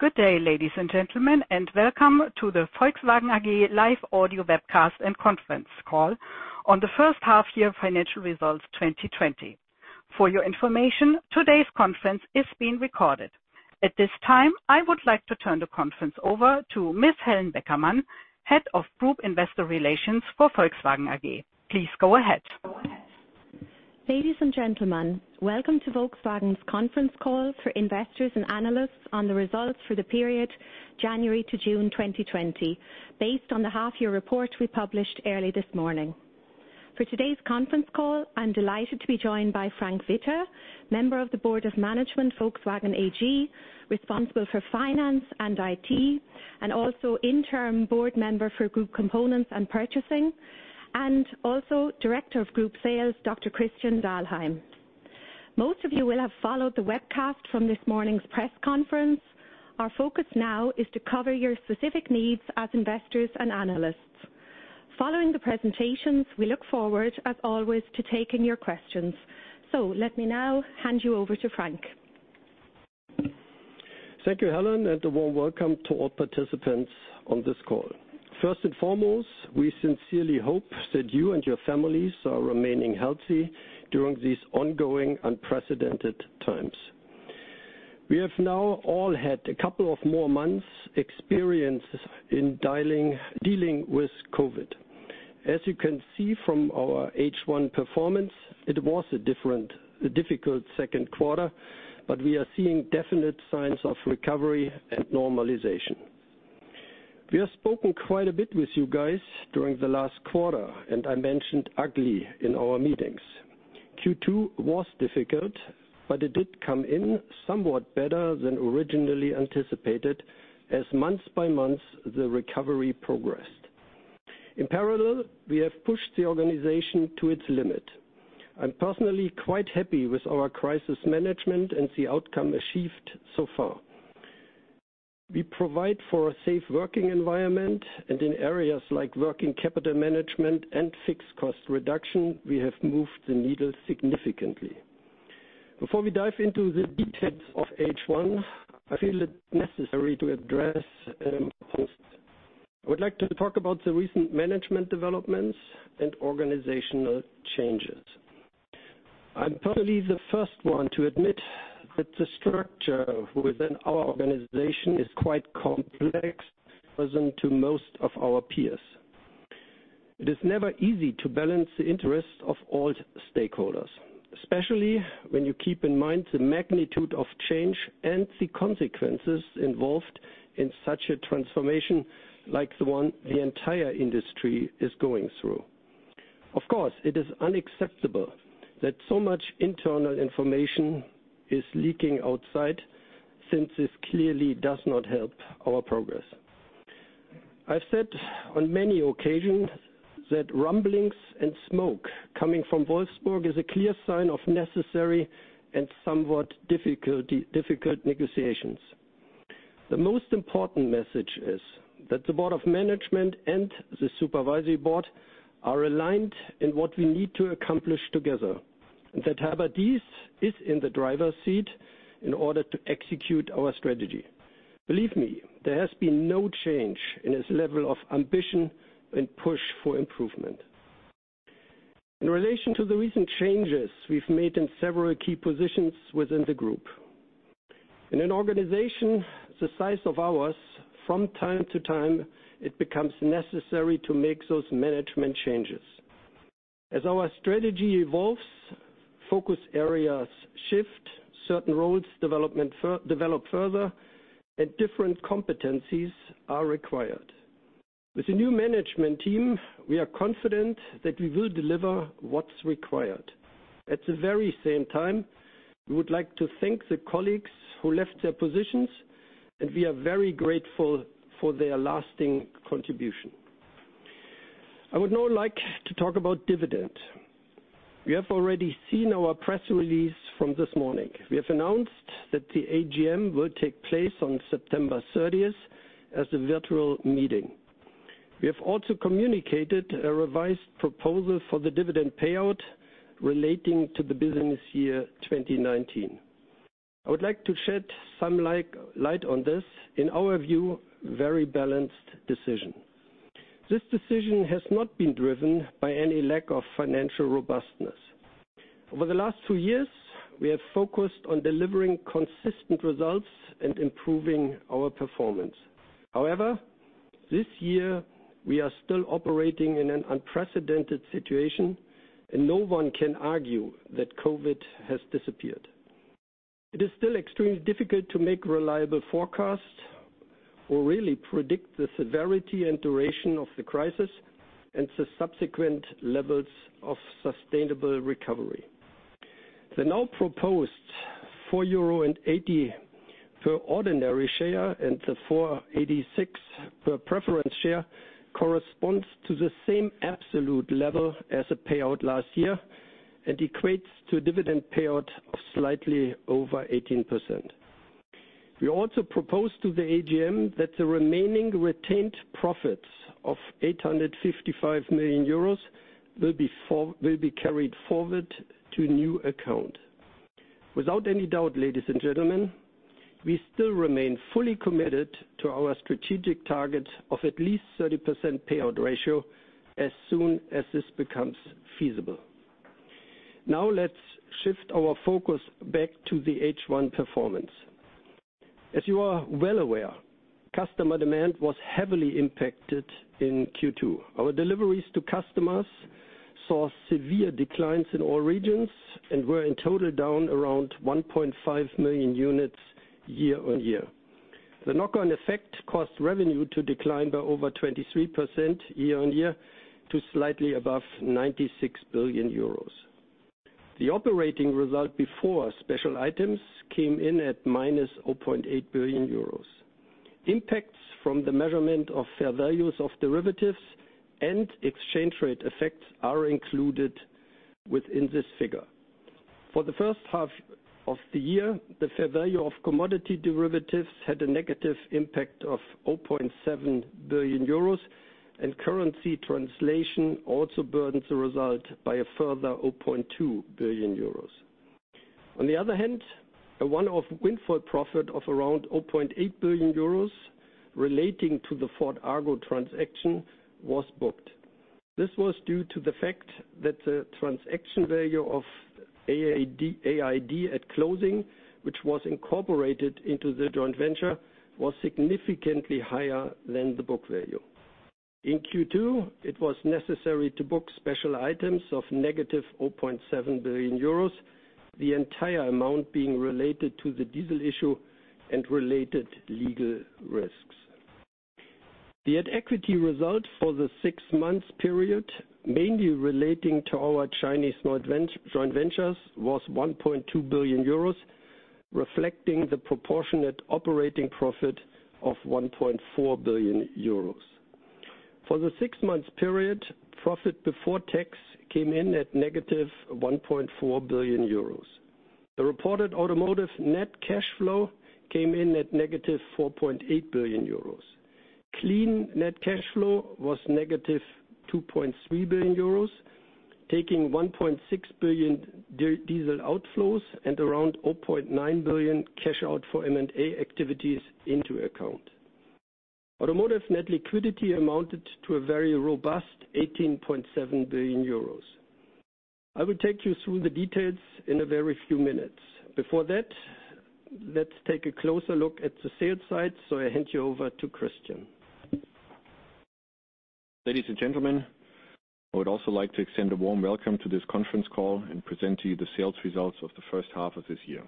Good day, ladies and gentlemen, welcome to the Volkswagen AG live audio webcast and conference call on the first half year financial results 2020. For your information, today's conference is being recorded. At this time, I would like to turn the conference over to Ms. Helen Beckermann, Head of Group Investor Relations for Volkswagen AG. Please go ahead. Ladies and gentlemen, welcome to Volkswagen's conference call for investors and analysts on the results for the period January to June 2020, based on the half-year report we published early this morning. For today's conference call, I'm delighted to be joined by Frank Witter, Member of the Board of Management, Volkswagen AG, responsible for Finance and IT, and also Interim Board Member for Group Components and Purchasing, and also Director of Group Sales, Dr. Christian Dahlheim. Most of you will have followed the webcast from this morning's press conference. Our focus now is to cover your specific needs as investors and analysts. Following the presentations, we look forward, as always, to taking your questions. Let me now hand you over to Frank. Thank you, Helen, and a warm welcome to all participants on this call. First and foremost, we sincerely hope that you and your families are remaining healthy during these ongoing unprecedented times. We have now all had a couple of more months experience in dealing with COVID. As you can see from our H1 performance, it was a difficult second quarter, but we are seeing definite signs of recovery and normalization. We have spoken quite a bit with you guys during the last quarter, and I mentioned ugly in our meetings. Q2 was difficult, but it did come in somewhat better than originally anticipated as month by month the recovery progressed. In parallel, we have pushed the organization to its limit. I'm personally quite happy with our crisis management and the outcome achieved so far. We provide for a safe working environment and in areas like working capital management and fixed cost reduction, we have moved the needle significantly. Before we dive into the details of H1, I feel it necessary to address. I would like to talk about the recent management developments and organizational changes. I'm probably the first one to admit that the structure within our organization is quite complex compared to most of our peers. It is never easy to balance the interests of all stakeholders, especially when you keep in mind the magnitude of change and the consequences involved in such a transformation like the one the entire industry is going through. Of course, it is unacceptable that so much internal information is leaking outside since this clearly does not help our progress. I've said on many occasions that rumblings and smoke coming from Wolfsburg is a clear sign of necessary and somewhat difficult negotiations. The most important message is that the Board of Management and the Supervisory Board are aligned in what we need to accomplish together, and that Herbert Diess is in the driver's seat in order to execute our strategy. Believe me, there has been no change in his level of ambition and push for improvement. In relation to the recent changes we've made in several key positions within the group. In an organization the size of ours, from time to time, it becomes necessary to make those management changes. As our strategy evolves, focus areas shift, certain roles develop further, and different competencies are required. With a new management team, we are confident that we will deliver what's required. At the very same time, we would like to thank the colleagues who left their positions, and we are very grateful for their lasting contribution. I would now like to talk about dividend. You have already seen our press release from this morning. We have announced that the AGM will take place on September 30th as a virtual meeting. We have also communicated a revised proposal for the dividend payout relating to the business year 2019. I would like to shed some light on this, in our view, very balanced decision. This decision has not been driven by any lack of financial robustness. Over the last two years, we have focused on delivering consistent results and improving our performance. This year, we are still operating in an unprecedented situation and no one can argue that COVID has disappeared. It is still extremely difficult to make reliable forecasts or really predict the severity and duration of the crisis and the subsequent levels of sustainable recovery. The now proposed 4.80 euro per ordinary share and the 4.86 per preference share corresponds to the same absolute level as a payout last year and equates to a dividend payout of slightly over 18%. We also propose to the AGM that the remaining retained profits of 855 million euros will be carried forward to a new account. Ladies and gentlemen, we still remain fully committed to our strategic target of at least 30% payout ratio as soon as this becomes feasible. Let's shift our focus back to the H1 performance. As you are well aware, customer demand was heavily impacted in Q2. Our deliveries to customers saw severe declines in all regions and were in total down around 1.5 million units year-over-year. The knock-on effect caused revenue to decline by over 23% year-over-year to slightly above 96 billion euros. The operating result before special items came in at -0.8 billion euros. Impacts from the measurement of fair values of derivatives and exchange rate effects are included within this figure. For the first half of the year, the fair value of commodity derivatives had a negative impact of 0.7 billion euros and currency translation also burdens the result by a further 0.2 billion euros. On the other hand, a one-off windfall profit of around 0.8 billion euros relating to the Argo transaction was booked. This was due to the fact that the transaction value of AID at closing, which was incorporated into the joint venture, was significantly higher than the book value. In Q2, it was necessary to book special items of negative 0.7 billion euros, the entire amount being related to the diesel issue and related legal risks. The at-equity result for the six-month period, mainly relating to our Chinese joint ventures, was 1.2 billion euros, reflecting the proportionate operating profit of 1.4 billion euros. For the six-month period, profit before tax came in at negative 1.4 billion euros. The reported automotive net cash flow came in at negative 4.8 billion euros. Clean net cash flow was negative 2.3 billion euros, taking 1.6 billion diesel outflows and around 0.9 billion cash out for M&A activities into account. Automotive net liquidity amounted to a very robust 18.7 billion euros. I will take you through the details in a very few minutes. Before that, let's take a closer look at the sales side. I hand you over to Christian. Ladies and gentlemen, I would also like to extend a warm welcome to this conference call and present to you the sales results of the first half of this year.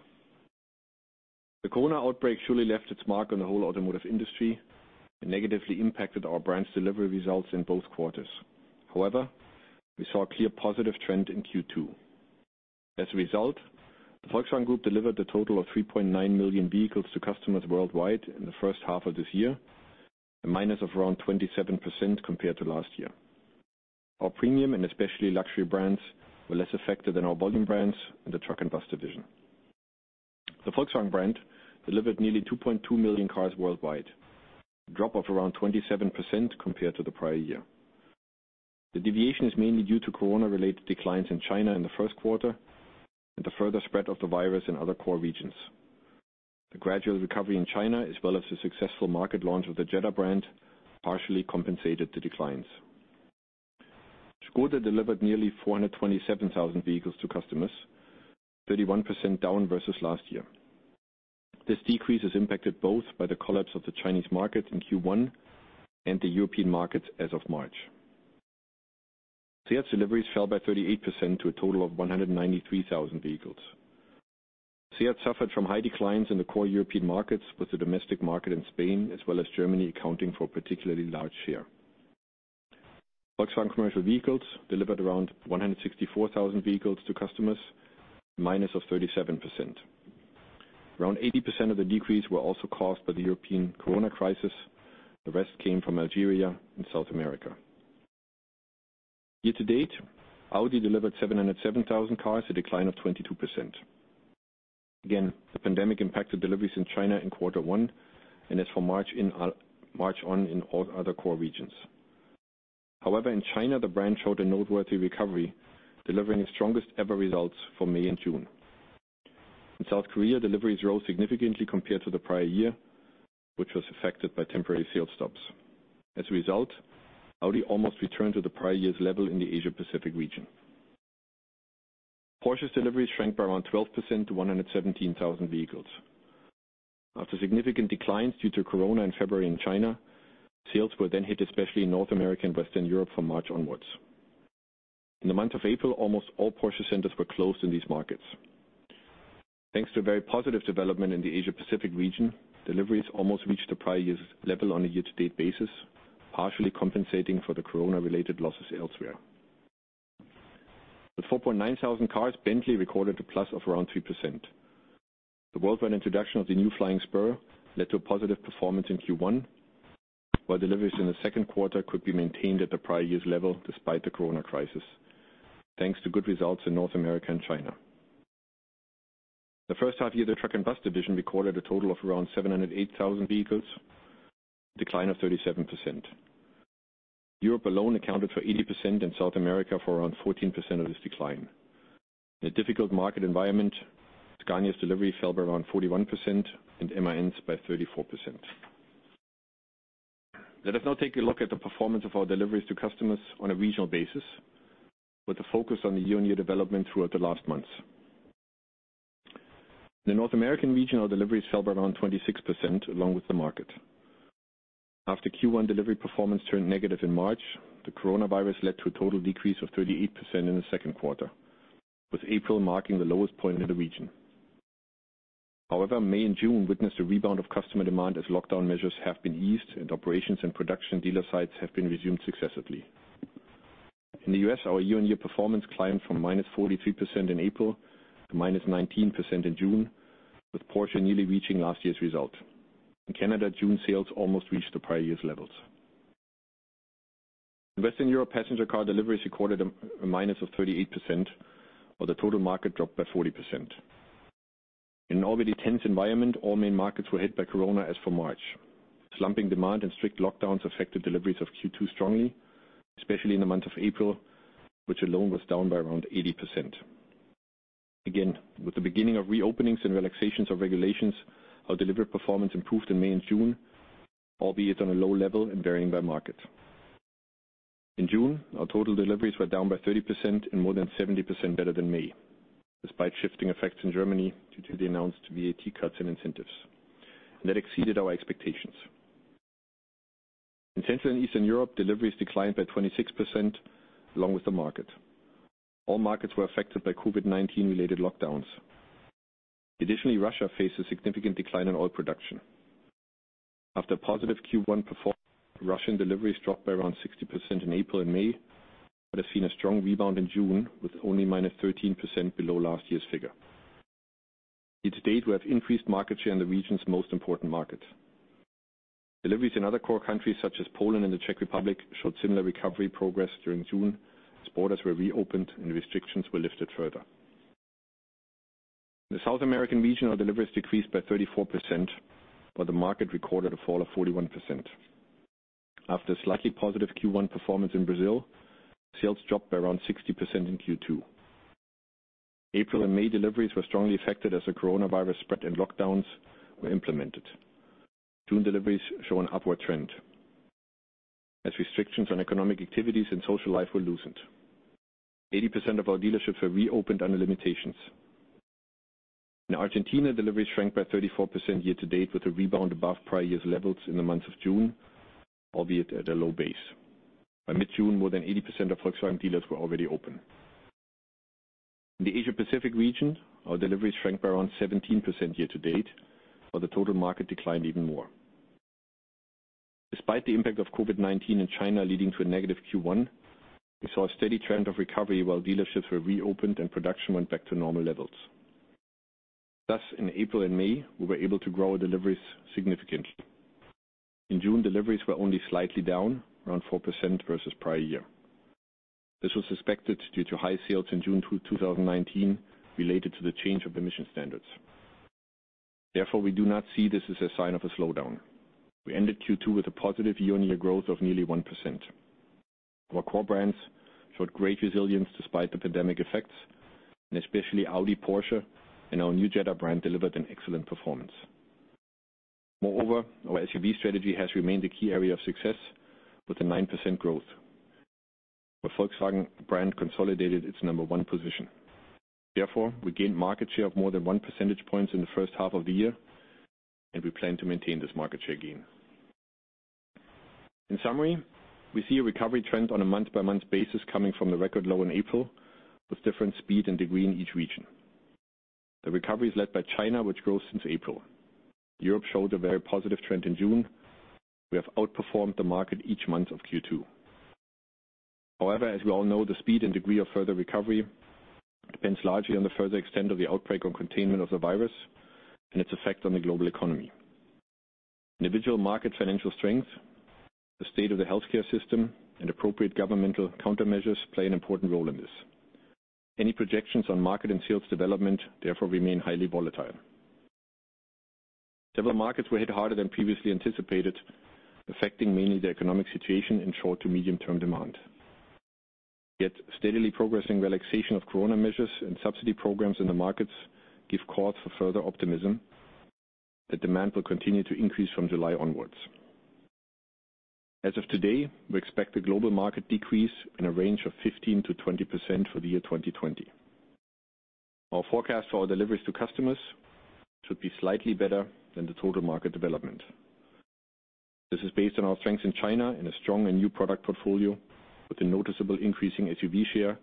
The COVID-19 outbreak surely left its mark on the whole automotive industry and negatively impacted our branch delivery results in both quarters. We saw a clear positive trend in Q2. The Volkswagen Group delivered a total of 3.9 million vehicles to customers worldwide in the first half of this year, a minus of around 27% compared to last year. Our premium and especially luxury brands were less affected than our volume brands in the truck and bus division. The Volkswagen brand delivered nearly 2.2 million cars worldwide, a drop of around 27% compared to the prior year. The deviation is mainly due to COVID-19-related declines in China in the first quarter and the further spread of the virus in other core regions. The gradual recovery in China, as well as the successful market launch of the Jetta brand, partially compensated the declines. Škoda delivered nearly 427,000 vehicles to customers, 31% down versus last year. This decrease is impacted both by the collapse of the Chinese market in Q1 and the European markets as of March. SEAT deliveries fell by 38% to a total of 193,000 vehicles. SEAT suffered from high declines in the core European markets, with the domestic market in Spain as well as Germany accounting for a particularly large share. Volkswagen Commercial Vehicles delivered around 164,000 vehicles to customers, a minus of 37%. Around 80% of the decrease were also caused by the European COVID-19 crisis. The rest came from Algeria and South America. Year to date, Audi delivered 707,000 cars, a decline of 22%. Again, the pandemic impacted deliveries in China in quarter one As from March on in all other core regions. However, in China, the brand showed a noteworthy recovery, delivering its strongest ever results for May and June. In South Korea, deliveries rose significantly compared to the prior year, which was affected by temporary sales stops. As a result, Audi almost returned to the prior year's level in the Asia-Pacific region. Porsche's deliveries shrank by around 12% to 117,000 vehicles. After significant declines due to COVID-19 in February in China, sales were then hit, especially in North America and Western Europe from March onwards. In the month of April, almost all Porsche centers were closed in these markets. Thanks to a very positive development in the Asia-Pacific region, deliveries almost reached the prior year's level on a year-to-date basis, partially compensating for the COVID-19-related losses elsewhere. With 4,900 cars, Bentley recorded a plus of around 3%. The worldwide introduction of the new Flying Spur led to a positive performance in Q1, while deliveries in the second quarter could be maintained at the prior year's level despite the COVID-19 crisis, thanks to good results in North America and China. The first half year, the truck and bus division recorded a total of around 708,000 vehicles, a decline of 37%. Europe alone accounted for 80% and South America for around 14% of this decline. In a difficult market environment, Scania's delivery fell by around 41% and MAN's by 34%. Let us now take a look at the performance of our deliveries to customers on a regional basis, with a focus on the year-on-year development throughout the last months. In the North American region, our deliveries fell by around 26%, along with the market. After Q1 delivery performance turned negative in March, the coronavirus led to a total decrease of 38% in the second quarter, with April marking the lowest point in the region. May and June witnessed a rebound of customer demand as lockdown measures have been eased and operations and production dealer sites have been resumed successively. In the U.S., our year-on-year performance climbed from -43% in April to -19% in June, with Porsche nearly reaching last year's result. In Canada, June sales almost reached the prior year's levels. In Western Europe, passenger car deliveries recorded a minus of 38%, while the total market dropped by 40%. In an already tense environment, all main markets were hit by COVID-19 as of March. Slumping demand and strict lockdowns affected deliveries of Q2 strongly, especially in the month of April, which alone was down by around 80%. With the beginning of reopenings and relaxations of regulations, our delivery performance improved in May and June, albeit on a low level and varying by market. In June, our total deliveries were down by 30% and more than 70% better than May, despite shifting effects in Germany due to the announced VAT cuts and incentives. That exceeded our expectations. In Central and Eastern Europe, deliveries declined by 26%, along with the market. All markets were affected by COVID-19 related lockdowns. Additionally, Russia faced a significant decline in oil production. After a positive Q1 performance, Russian deliveries dropped by around 60% in April and May, but have seen a strong rebound in June, with only -13% below last year's figure. Year to date, we have increased market share in the region's most important markets. Deliveries in other core countries such as Poland and the Czech Republic showed similar recovery progress during June, as borders were reopened and restrictions were lifted further. In the South American region, our deliveries decreased by 34%, while the market recorded a fall of 41%. After a slightly positive Q1 performance in Brazil, sales dropped by around 60% in Q2. April and May deliveries were strongly affected as the coronavirus spread and lockdowns were implemented. June deliveries show an upward trend as restrictions on economic activities and social life were loosened. 80% of our dealerships were reopened under limitations. In Argentina, deliveries shrank by 34% year to date with a rebound above prior year's levels in the month of June, albeit at a low base. By mid-June, more than 80% of Volkswagen dealers were already open. In the Asia Pacific region, our deliveries shrank by around 17% year to date, while the total market declined even more. Despite the impact of COVID-19 in China leading to a negative Q1, we saw a steady trend of recovery while dealerships were reopened and production went back to normal levels. Thus, in April and May, we were able to grow our deliveries significantly. In June, deliveries were only slightly down, around 4% versus prior year. This was suspected due to high sales in June 2019 related to the change of emission standards. Therefore, we do not see this as a sign of a slowdown. We ended Q2 with a positive year-on-year growth of nearly 1%. Our core brands showed great resilience despite the pandemic effects, especially Audi, Porsche, and our new Jetta brand delivered an excellent performance. Moreover, our SUV strategy has remained a key area of success with a 9% growth. The Volkswagen brand consolidated its number one position. Therefore, we gained market share of more than one percentage point in the first half of the year, we plan to maintain this market share gain. In summary, we see a recovery trend on a month-by-month basis coming from the record low in April, with different speed and degree in each region. The recovery is led by China, which grows since April. Europe showed a very positive trend in June. We have outperformed the market each month of Q2. However, as we all know, the speed and degree of further recovery depends largely on the further extent of the outbreak or containment of the virus and its effect on the global economy. Individual market financial strength, the state of the healthcare system, and appropriate governmental countermeasures play an important role in this. Any projections on market and sales development therefore remain highly volatile. Several markets were hit harder than previously anticipated, affecting mainly the economic situation in short to medium-term demand. Yet, steadily progressing relaxation of corona measures and subsidy programs in the markets give cause for further optimism that demand will continue to increase from July onwards. As of today, we expect the global market decrease in a range of 15%-20% for the year 2020. Our forecast for our deliveries to customers should be slightly better than the total market development. This is based on our strengths in China and a strong and new product portfolio with a noticeable increase in SUV share,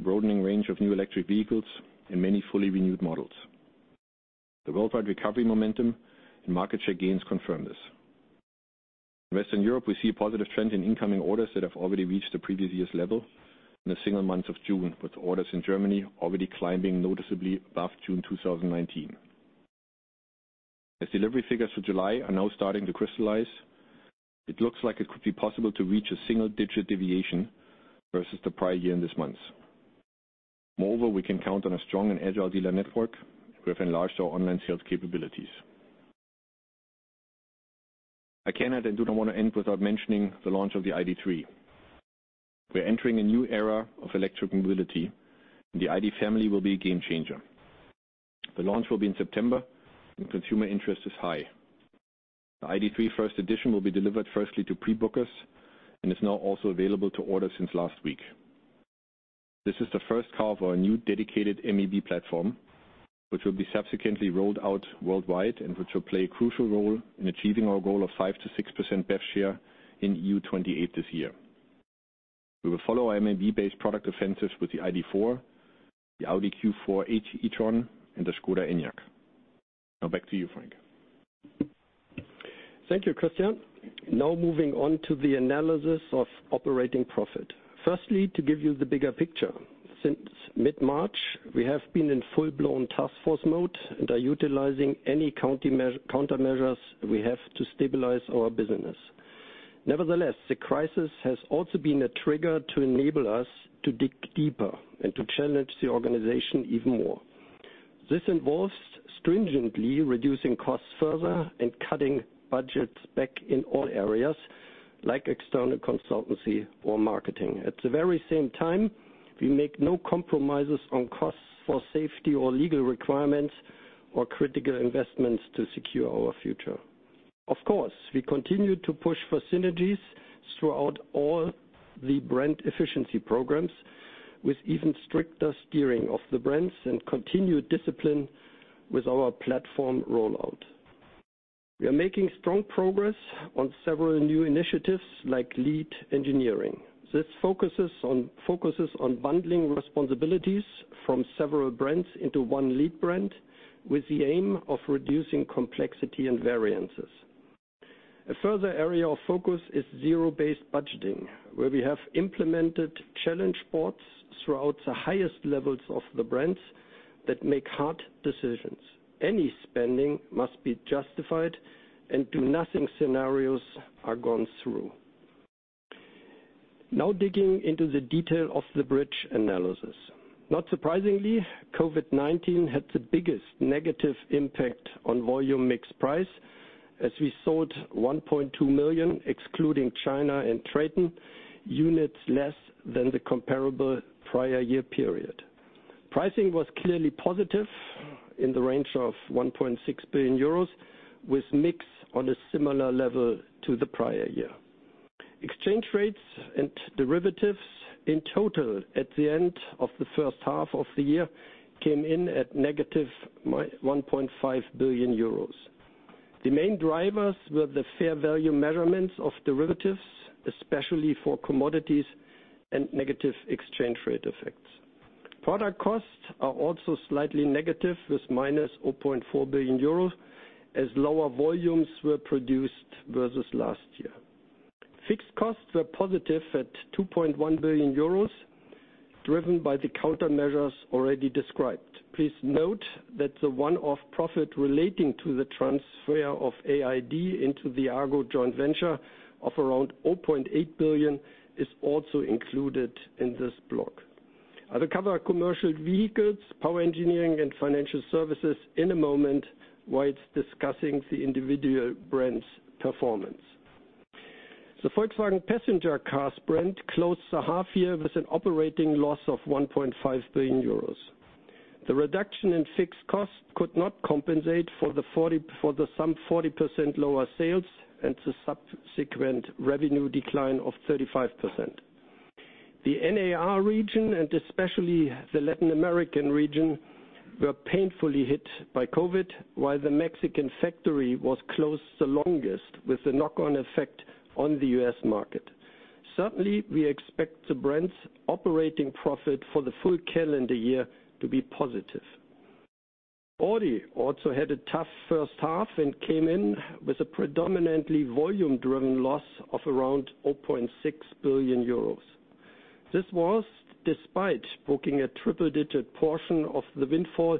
broadening range of new electric vehicles, and many fully renewed models. The worldwide recovery momentum and market share gains confirm this. In Western Europe, we see a positive trend in incoming orders that have already reached the previous year's level in a single month of June, with orders in Germany already climbing noticeably above June 2019. As delivery figures for July are now starting to crystallize, it looks like it could be possible to reach a single digit deviation versus the prior year in this month. Moreover, we can count on a strong and agile dealer network. We have enlarged our online sales capabilities. I cannot and do not want to end without mentioning the launch of the ID.3. We're entering a new era of electric mobility, and the ID. family will be a game changer. The launch will be in September, and consumer interest is high. The ID.3 First Edition will be delivered firstly to pre-bookers, and is now also available to order since last week. This is the first car of our new dedicated MEB platform, which will be subsequently rolled out worldwide, and which will play a crucial role in achieving our goal of 5%-6% BEV share in EU28 this year. We will follow our MEB-based product offensives with the ID.4, the Audi Q4 e-tron, and the Škoda Enyaq. Now back to you, Frank. Thank you, Christian. Moving on to the analysis of operating profit. To give you the bigger picture. Since mid-March, we have been in full-blown task force mode and are utilizing any countermeasures we have to stabilize our business. The crisis has also been a trigger to enable us to dig deeper and to challenge the organization even more. This involves stringently reducing costs further and cutting budgets back in all areas, like external consultancy or marketing. At the very same time, we make no compromises on costs for safety or legal requirements or critical investments to secure our future. We continue to push for synergies throughout all the brand efficiency programs with even stricter steering of the brands and continued discipline with our platform rollout. We are making strong progress on several new initiatives like lead engineering. This focuses on bundling responsibilities from several brands into one lead brand, with the aim of reducing complexity and variances. A further area of focus is zero-based budgeting, where we have implemented challenge boards throughout the highest levels of the brands that make hard decisions. Any spending must be justified, and do-nothing scenarios are gone through. Now digging into the detail of the bridge analysis. Not surprisingly, COVID-19 had the biggest negative impact on volume mix price as we sold 1.2 million, excluding China and TRATON, units less than the comparable prior year period. Pricing was clearly positive in the range of 1.6 billion euros, with mix on a similar level to the prior year. Exchange rates and derivatives in total at the end of the first half of the year came in at negative 1.5 billion euros. The main drivers were the fair value measurements of derivatives, especially for commodities and negative exchange rate effects. Product costs are also slightly negative, with -0.4 billion euros, as lower volumes were produced versus last year. Fixed costs were positive at 2.1 billion euros, driven by the countermeasures already described. Please note that the one-off profit relating to the transfer of AID into the Argo joint venture of around 0.8 billion is also included in this block. I will cover commercial vehicles, Power Engineering, and financial services in a moment whilst discussing the individual brands' performance. The Volkswagen Passenger Cars brand closed the half year with an operating loss of 1.5 billion euros. The reduction in fixed costs could not compensate for the some 40% lower sales and the subsequent revenue decline of 35%. The NAR region, and especially the Latin American region, were painfully hit by COVID, while the Mexican factory was closed the longest with a knock-on effect on the U.S. market. Certainly, we expect the brand's operating profit for the full calendar year to be positive. Audi also had a tough first half and came in with a predominantly volume-driven loss of around 0.6 billion euros. This was despite booking a triple-digit portion of the windfall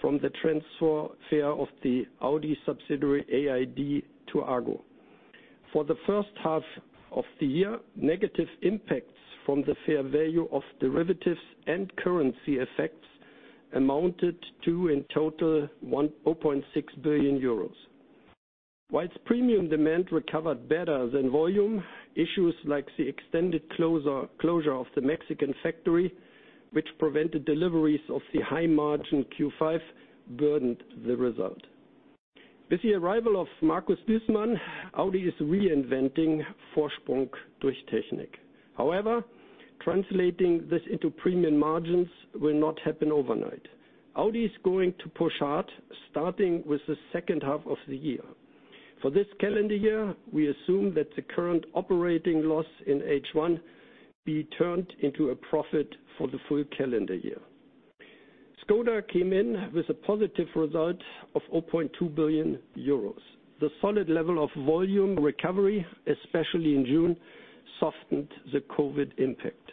from the transfer of the Audi subsidiary, AID, to Argo. For the first half of the year, negative impacts from the fair value of derivatives and currency effects amounted to, in total, 0.6 billion euros. Whilst premium demand recovered better than volume, issues like the extended closure of the Mexican factory, which prevented deliveries of the high-margin Q5, burdened the result. With the arrival of Markus Duesmann, Audi is reinventing Vorsprung durch Technik. However, translating this into premium margins will not happen overnight. Audi is going to push hard, starting with the second half of the year. For this calendar year, we assume that the current operating loss in H1 be turned into a profit for the full calendar year. Škoda came in with a positive result of 0.2 billion euros. The solid level of volume recovery, especially in June, softened the COVID impact.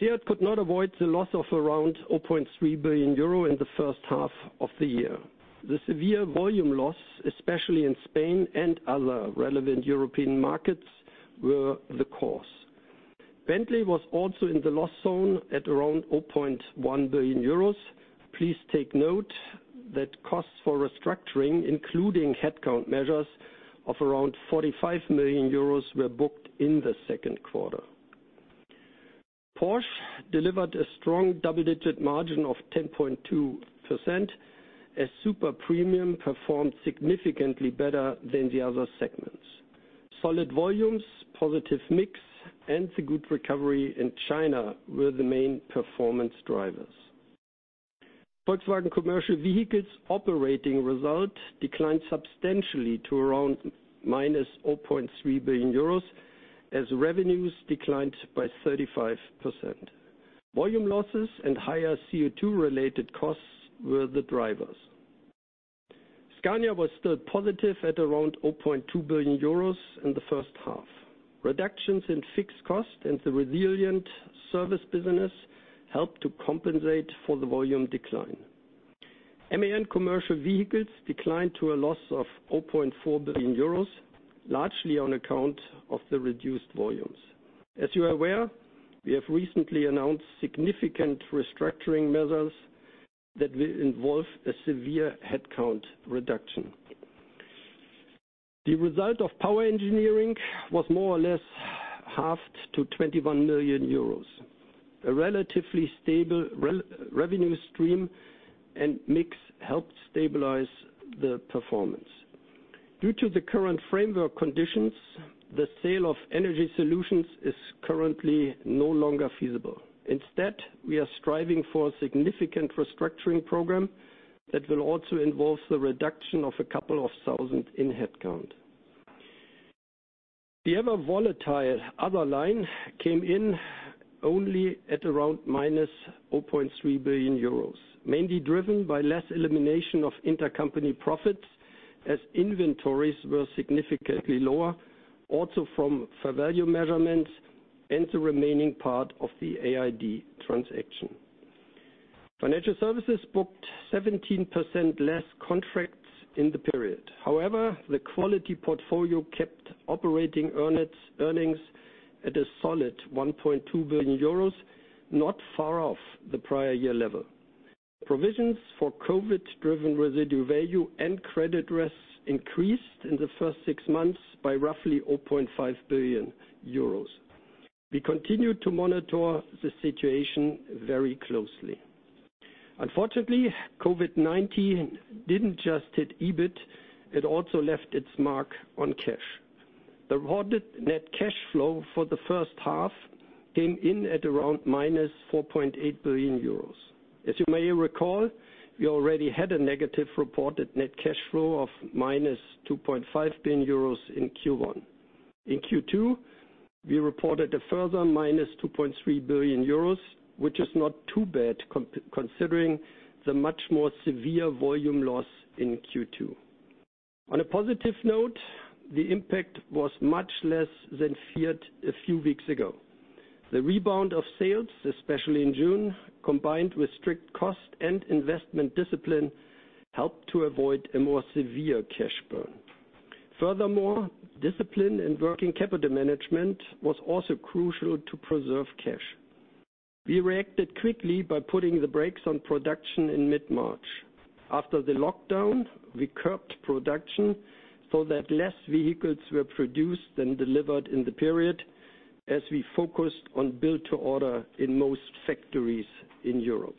SEAT could not avoid the loss of around 0.3 billion euro in the first half of the year. The severe volume loss, especially in Spain and other relevant European markets, were the cause. Bentley was also in the loss zone at around 0.1 billion euros. Please take note that costs for restructuring, including headcount measures of around 45 million euros, were booked in the second quarter. Porsche delivered a strong double-digit margin of 10.2% as super premium performed significantly better than the other segments. Solid volumes, positive mix, and the good recovery in China were the main performance drivers. Volkswagen Commercial Vehicles operating result declined substantially to around minus 0.3 billion euros, as revenues declined by 35%. Volume losses and higher CO2 related costs were the drivers. Scania was still positive at around 0.2 billion euros in the first half. Reductions in fixed cost and the resilient service business helped to compensate for the volume decline. MAN Commercial Vehicles declined to a loss of 0.4 billion euros, largely on account of the reduced volumes. As you are aware, we have recently announced significant restructuring measures that will involve a severe headcount reduction. The result of Power Engineering was more or less halved to 21 million euros. A relatively stable revenue stream and mix helped stabilize the performance. Due to the current framework conditions, the sale of energy solutions is currently no longer feasible. Instead, we are striving for a significant restructuring program that will also involve the reduction of a couple of thousand in headcount. The ever-volatile other line came in only at around -0.3 billion euros, mainly driven by less elimination of intercompany profits as inventories were significantly lower, also from fair value measurements and the remaining part of the AID transaction. Financial services booked 17% less contracts in the period. However, the quality portfolio kept operating earnings at a solid 1.2 billion euros, not far off the prior year level. Provisions for COVID-driven residual value and credit risk increased in the first six months by roughly 0.5 billion euros. We continue to monitor the situation very closely. Unfortunately, COVID-19 didn't just hit EBIT, it also left its mark on cash. The reported net cash flow for the first half came in at around -4.8 billion euros. As you may recall, we already had a negative reported net cash flow of -2.5 billion euros in Q1. In Q2, we reported a further 2.3 billion euros, which is not too bad considering the much more severe volume loss in Q2. On a positive note, the impact was much less than feared a few weeks ago. The rebound of sales, especially in June, combined with strict cost and investment discipline, helped to avoid a more severe cash burn. Furthermore, discipline and working capital management was also crucial to preserve cash. We reacted quickly by putting the brakes on production in mid-March. After the lockdown, we curbed production so that less vehicles were produced than delivered in the period as we focused on build to order in most factories in Europe.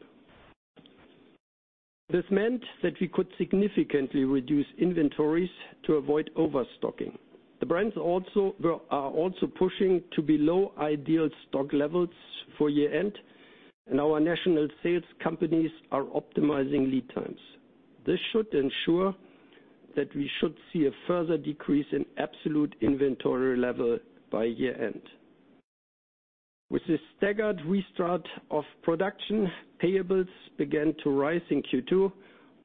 This meant that we could significantly reduce inventories to avoid overstocking. The brands are also pushing to below ideal stock levels for year-end, and our national sales companies are optimizing lead times. This should ensure that we should see a further decrease in absolute inventory level by year-end. With the staggered restart of production, payables began to rise in Q2,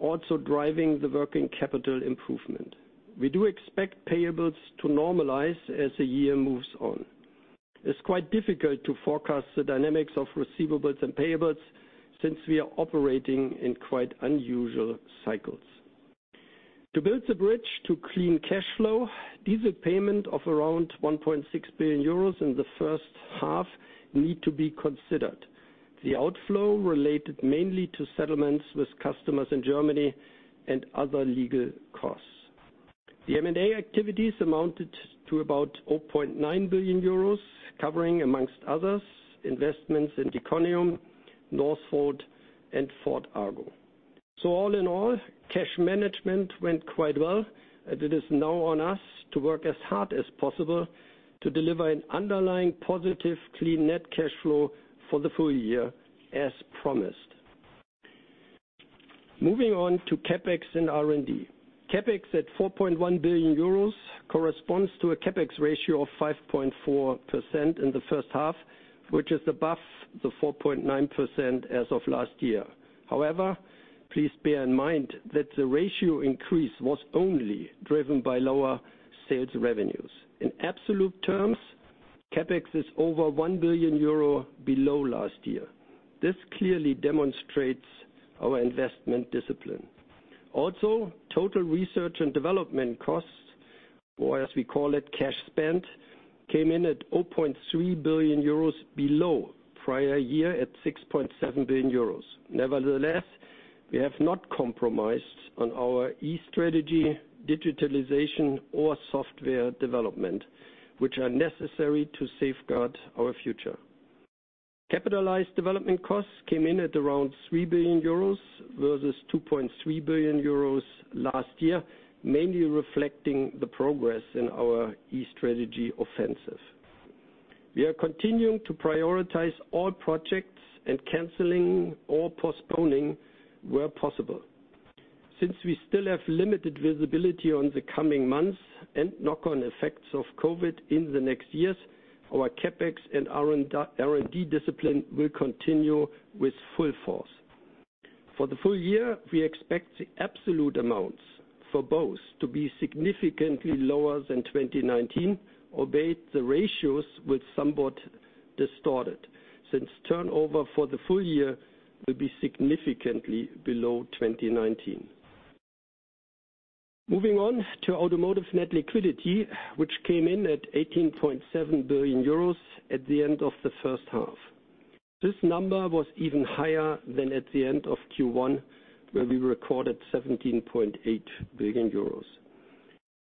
also driving the working capital improvement. We do expect payables to normalize as the year moves on. It is quite difficult to forecast the dynamics of receivables and payables since we are operating in quite unusual cycles. To build the bridge to clean cash flow, diesel payment of around 1.6 billion euros in the first half need to be considered. The outflow related mainly to settlements with customers in Germany and other legal costs. The M&A activities amounted to about 0.9 billion euros, covering, amongst others, investments in diconium, Northvolt, and Ford Argo. All in all, cash management went quite well. It is now on us to work as hard as possible to deliver an underlying positive clean net cash flow for the full year as promised. Moving on to CapEx and R&D. CapEx at 4.1 billion euros corresponds to a CapEx ratio of 5.4% in the first half, which is above the 4.9% as of last year. Please bear in mind that the ratio increase was only driven by lower sales revenues. In absolute terms, CapEx is over 1 billion euro below last year. This clearly demonstrates our investment discipline. Total research and development costs, or as we call it, cash spend, came in at 0.3 billion euros below prior year at 6.7 billion euros. We have not compromised on our E-strategy, digitalization or software development, which are necessary to safeguard our future. Capitalized development costs came in at around 3 billion euros versus 2.3 billion euros last year, mainly reflecting the progress in our E-strategy offensive. We are continuing to prioritize all projects and canceling or postponing where possible. We still have limited visibility on the coming months and knock-on effects of COVID-19 in the next years, our CapEx and R&D discipline will continue with full force. For the full year, we expect the absolute amounts for both to be significantly lower than 2019, albeit the ratios will somewhat distorted, since turnover for the full year will be significantly below 2019. Moving on to automotive net liquidity, which came in at 18.7 billion euros at the end of the first half. This number was even higher than at the end of Q1, where we recorded 17.8 billion euros.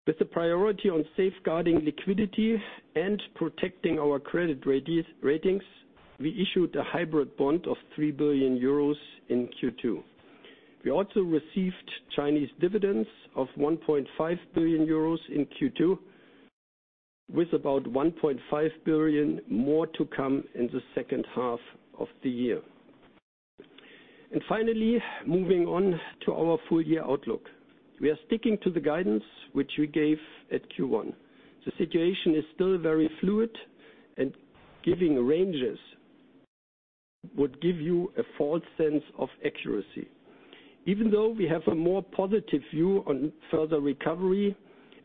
With the priority on safeguarding liquidity and protecting our credit ratings, we issued a hybrid bond of 3 billion euros in Q2. We also received Chinese dividends of 1.5 billion euros in Q2, with about 1.5 billion more to come in the second half of the year. Finally, moving on to our full year outlook. We are sticking to the guidance which we gave at Q1. The situation is still very fluid and giving ranges would give you a false sense of accuracy. Even though we have a more positive view on further recovery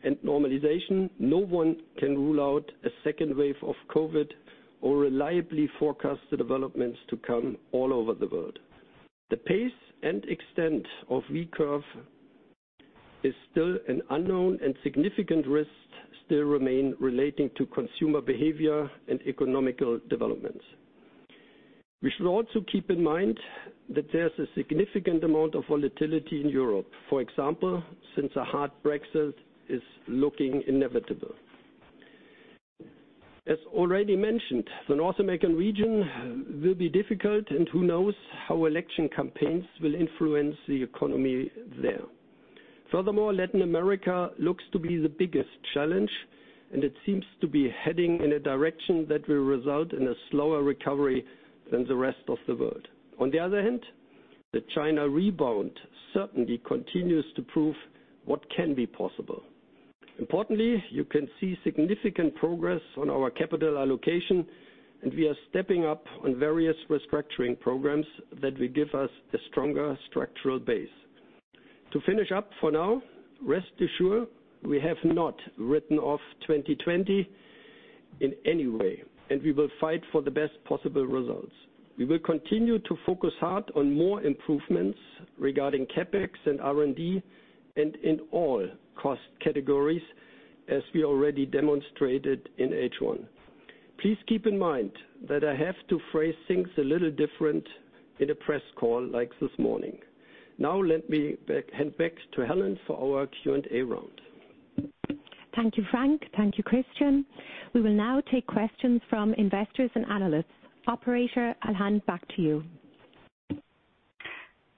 and normalization, no one can rule out a second wave of COVID-19 or reliably forecast the developments to come all over the world. The pace and extent of recovery is still an unknown, and significant risks still remain relating to consumer behavior and economic developments. We should also keep in mind that there's a significant amount of volatility in Europe. For example, since a hard Brexit is looking inevitable. As already mentioned, the North American region will be difficult and who knows how election campaigns will influence the economy there. Furthermore, Latin America looks to be the biggest challenge, and it seems to be heading in a direction that will result in a slower recovery than the rest of the world. On the other hand, the China rebound certainly continues to prove what can be possible. Importantly, you can see significant progress on our capital allocation, and we are stepping up on various restructuring programs that will give us a stronger structural base. To finish up for now, rest assured we have not written off 2020 in any way, and we will fight for the best possible results. We will continue to focus hard on more improvements regarding CapEx and R&D, and in all cost categories as we already demonstrated in H1. Please keep in mind that I have to phrase things a little different in a press call like this morning. Now let me hand back to Helen for our Q&A round. Thank you, Frank. Thank you, Christian. We will now take questions from investors and analysts. Operator, I'll hand back to you.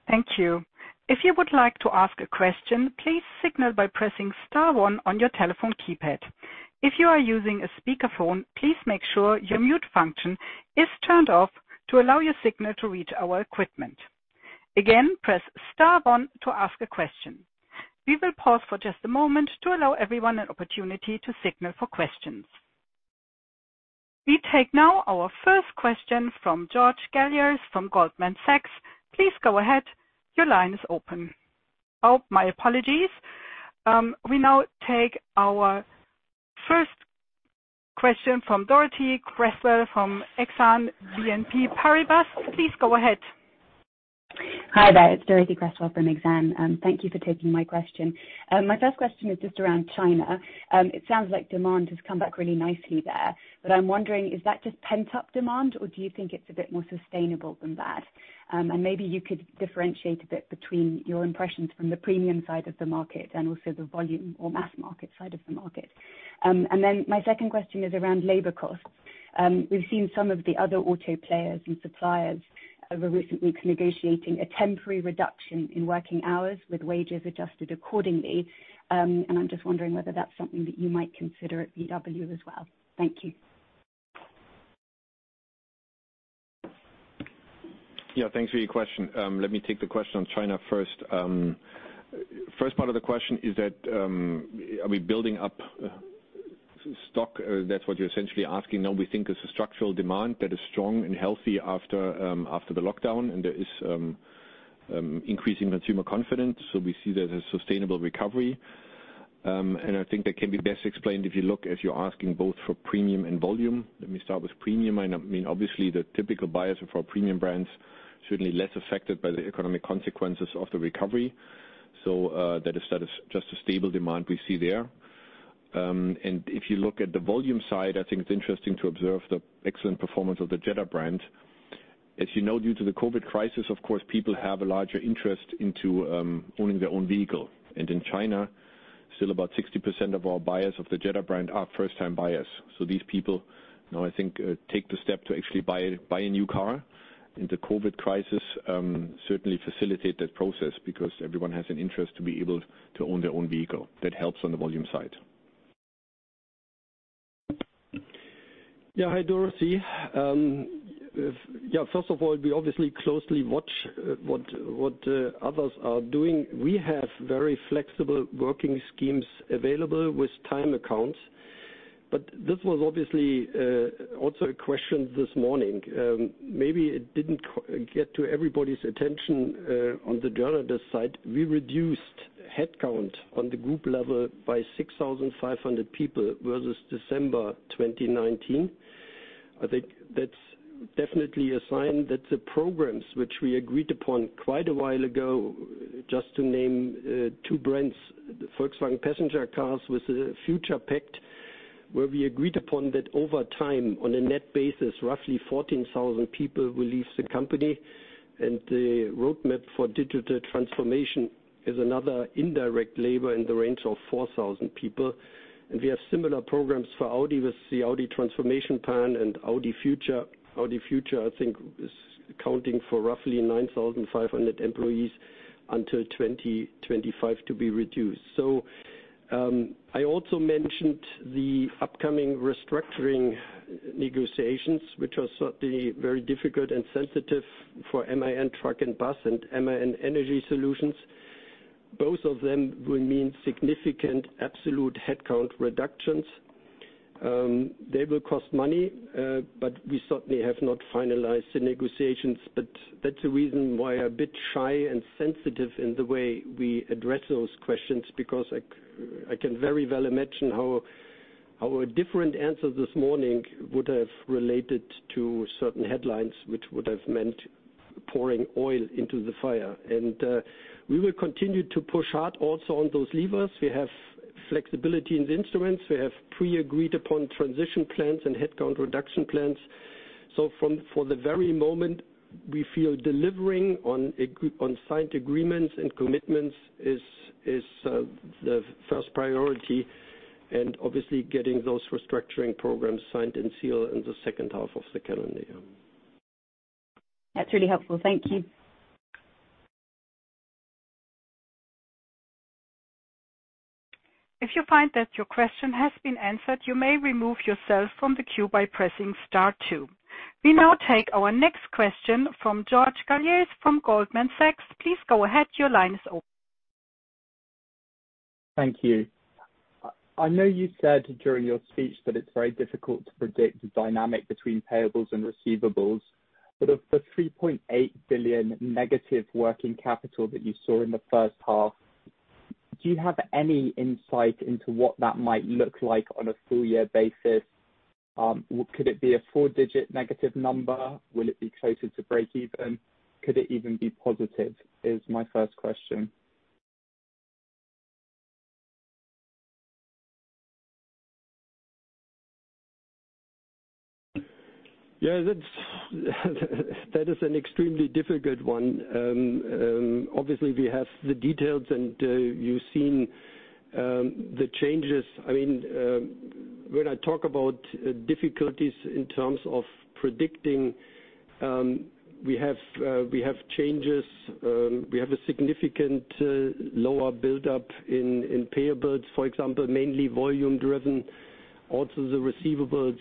Thank you. If you would like to ask a question, please signal by pressing star one on your telephone keypad. If you are using a speakerphone, please make sure your mute function is turned off to allow your signal to reach our equipment. Again, press star one to ask a question. We will pause for just a moment to allow everyone an opportunity to signal for questions. We take now our first question from George Galliers from Goldman Sachs. Please go ahead. Your line is open. Oh, my apologies. We now take our first question from Dorothee Cresswell from Exane BNP Paribas. Please go ahead. Hi there, it's Dorothee Cresswell from Exane. Thank you for taking my question. My first question is just around China. It sounds like demand has come back really nicely there, but I'm wondering, is that just pent-up demand or do you think it's a bit more sustainable than that? Maybe you could differentiate a bit between your impressions from the premium side of the market and also the volume or mass market side of the market. Then my second question is around labor costs. We've seen some of the other auto players and suppliers over recent weeks negotiating a temporary reduction in working hours with wages adjusted accordingly. I'm just wondering whether that's something that you might consider at VW as well. Thank you. Yeah, thanks for your question. Let me take the question on China first. First part of the question is that, are we building up stock? That's what you're essentially asking. No, we think it's a structural demand that is strong and healthy after the lockdown. There is Increasing consumer confidence. We see that as sustainable recovery. I think that can be best explained if you look, if you're asking both for premium and volume. Let me start with premium. Obviously the typical buyers for our premium brands certainly less affected by the economic consequences of the recovery. That is just a stable demand we see there. If you look at the volume side, I think it's interesting to observe the excellent performance of the Jetta brand. As you know, due to the COVID crisis, of course, people have a larger interest into owning their own vehicle. In China, still about 60% of our buyers of the Jetta brand are first-time buyers. These people now, I think, take the step to actually buy a new car. The COVID crisis certainly facilitate that process because everyone has an interest to be able to own their own vehicle. That helps on the volume side. Hi, Dorothee. First of all, we obviously closely watch what others are doing. We have very flexible working schemes available with time accounts. This was obviously also a question this morning. Maybe it didn't get to everybody's attention on the journalist side, we reduced headcount on the group level by 6,500 people versus December 2019. I think that's definitely a sign that the programs which we agreed upon quite a while ago, just to name two brands, Volkswagen Passenger Cars with a Pact for the Future where we agreed upon that over time, on a net basis, roughly 14,000 people will leave the company. The roadmap for digital transformation is another indirect labor in the range of 4,000 people. We have similar programs for Audi with the Audi Transformation Plan and Audi.Future. Audi.Future, I think is accounting for roughly 9,500 employees until 2025 to be reduced. I also mentioned the upcoming restructuring negotiations, which are certainly very difficult and sensitive for MAN Truck & Bus and MAN Energy Solutions. Both of them will mean significant absolute headcount reductions. They will cost money, but we certainly have not finalized the negotiations. That's the reason why a bit shy and sensitive in the way we address those questions because I can very well imagine how a different answer this morning would have related to certain headlines, which would have meant pouring oil into the fire. We will continue to push hard also on those levers. We have flexibility in the instruments. We have pre-agreed upon transition plans and headcount reduction plans. For the very moment, we feel delivering on signed agreements and commitments is the first priority and obviously getting those restructuring programs signed and sealed in the second half of the calendar year. That's really helpful. Thank you. If you find that your question has been answered, you may remove yourself from the queue by pressing star two. We now take our next question from George Galliers from Goldman Sachs. Please go ahead. Your line is open. Thank you. I know you said during your speech that it's very difficult to predict the dynamic between payables and receivables, but of the 3.8 billion negative working capital that you saw in the first half, do you have any insight into what that might look like on a full year basis? Could it be a four-digit negative number? Will it be closer to breakeven? Could it even be positive, is my first question. Yeah. That is an extremely difficult one. Obviously, we have the details and you've seen the changes. When I talk about difficulties in terms of predicting, we have changes. We have a significant lower buildup in payables, for example, mainly volume driven. Also, the receivables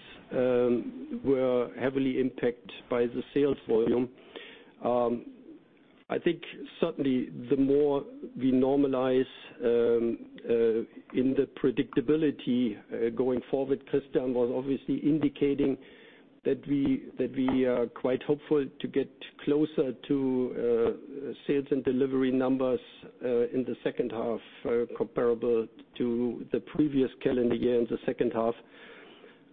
were heavily impacted by the sales volume. I think certainly the more we normalize in the predictability going forward, Christian was obviously indicating that we are quite hopeful to get closer to sales and delivery numbers, in the second half comparable to the previous calendar year in the second half.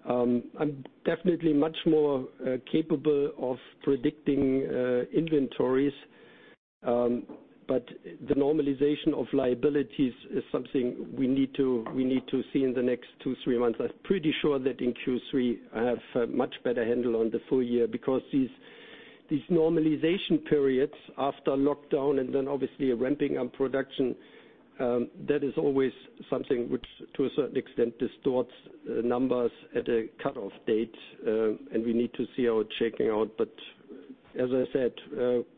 I'm definitely much more capable of predicting inventories, but the normalization of liabilities is something we need to see in the next two, three months. I'm pretty sure that in Q3 I have a much better handle on the full year because these normalization periods after lockdown and then obviously ramping up production, that is always something which to a certain extent distorts numbers at a cutoff date. We need to see how it checking out. As I said,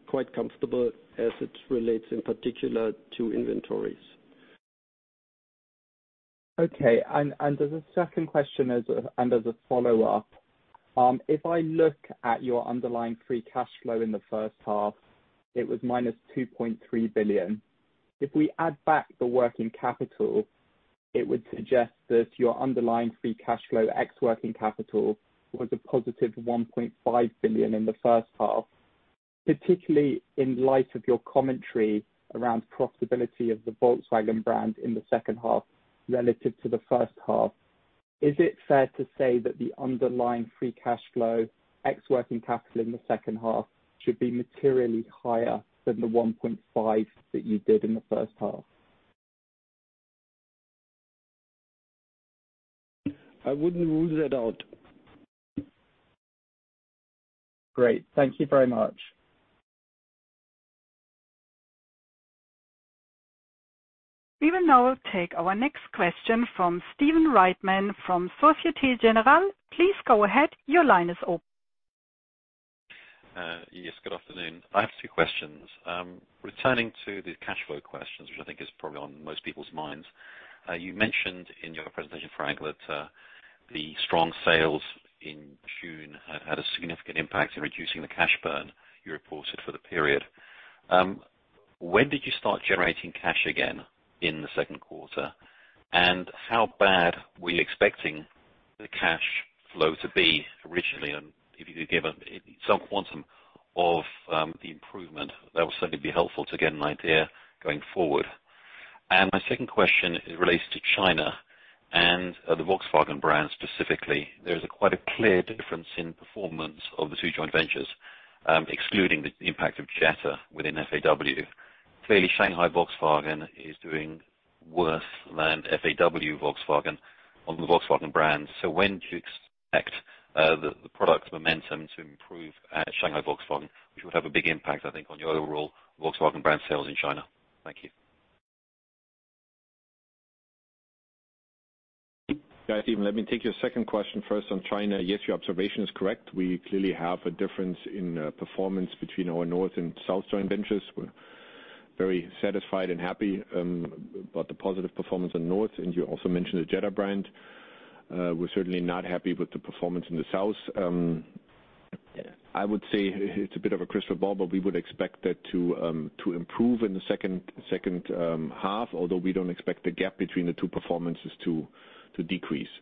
quite comfortable as it relates in particular to inventories. Okay. As a second question and as a follow-up, if I look at your underlying free cash flow in the first half, it was -2.3 billion. If we add back the working capital. It would suggest that your underlying free cash flow ex working capital was a positive 1.5 billion in the first half. Particularly in light of your commentary around profitability of the Volkswagen brand in the second half relative to the first half, is it fair to say that the underlying free cash flow ex working capital in the second half should be materially higher than the 1.5 billion that you did in the first half? I wouldn't rule that out. Great. Thank you very much. We will now take our next question from Stephen Reitman from Societe Generale. Please go ahead. Your line is open. Good afternoon. I have two questions. Returning to the cash flow questions, which I think is probably on most people's minds. You mentioned in your presentation, Frank, that the strong sales in June have had a significant impact in reducing the cash burn you reported for the period. When did you start generating cash again in the second quarter? How bad were you expecting the cash flow to be originally? If you could give some quantum of the improvement, that would certainly be helpful to get an idea going forward. My second question relates to China and the Volkswagen brand specifically. There is quite a clear difference in performance of the two joint ventures, excluding the impact of Jetta within FAW. Clearly, Shanghai Volkswagen is doing worse than FAW-Volkswagen on the Volkswagen brand. When do you expect the product momentum to improve at Shanghai Volkswagen, which would have a big impact, I think, on your overall Volkswagen brand sales in China? Thank you. Yeah, Stephen, let me take your second question first on China. Yes, your observation is correct. We clearly have a difference in performance between our North and South joint ventures. We're very satisfied and happy about the positive performance in North, and you also mentioned the Jetta brand. We're certainly not happy with the performance in the South. I would say it's a bit of a crystal ball, but we would expect that to improve in the second half, although we don't expect the gap between the two performances to decrease.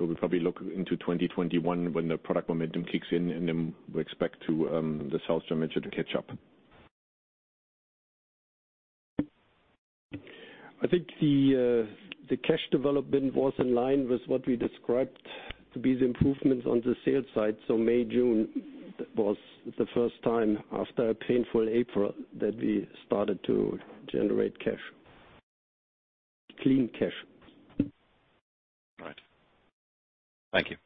We'll probably look into 2021 when the product momentum kicks in, and then we expect the South joint venture to catch up. I think the cash development was in line with what we described to be the improvements on the sales side. May, June was the first time after a painful April that we started to generate cash. Clean cash. Right. Thank you.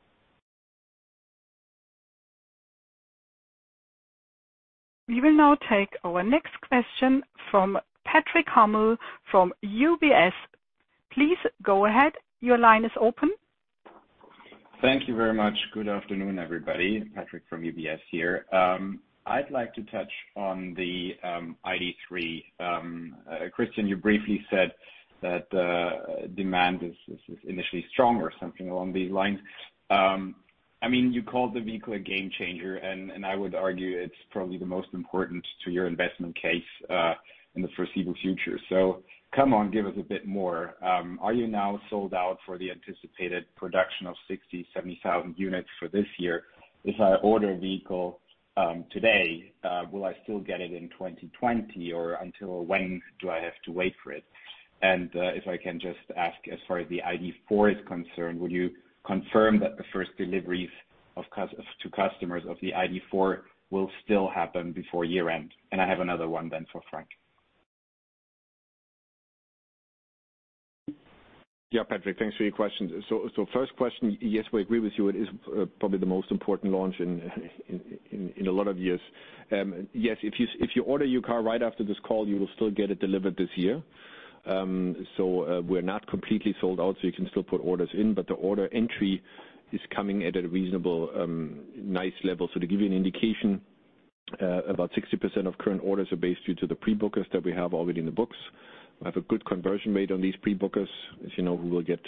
We will now take our next question from Patrick Hummel from UBS. Please go ahead. Your line is open. Thank you very much. Good afternoon, everybody. Patrick from UBS here. I'd like to touch on the ID.3. Christian, you briefly said that demand is initially strong or something along these lines. You called the vehicle a game changer. I would argue it's probably the most important to your investment case in the foreseeable future. Come on, give us a bit more. Are you now sold out for the anticipated production of 60,000, 70,000 units for this year? If I order a vehicle today, will I still get it in 2020, or until when do I have to wait for it? If I can just ask, as far as the ID.4 is concerned, will you confirm that the first deliveries to customers of the ID.4 will still happen before year-end? I have another one then for Frank. Patrick, thanks for your questions. First question, yes, we agree with you. It is probably the most important launch in a lot of years. Yes, if you order your car right after this call, you will still get it delivered this year. We're not completely sold out, so you can still put orders in, but the order entry is coming at a reasonable, nice level. To give you an indication, about 60% of current orders are based due to the pre-bookers that we have already in the books. We have a good conversion rate on these pre-bookers, as you know, who will get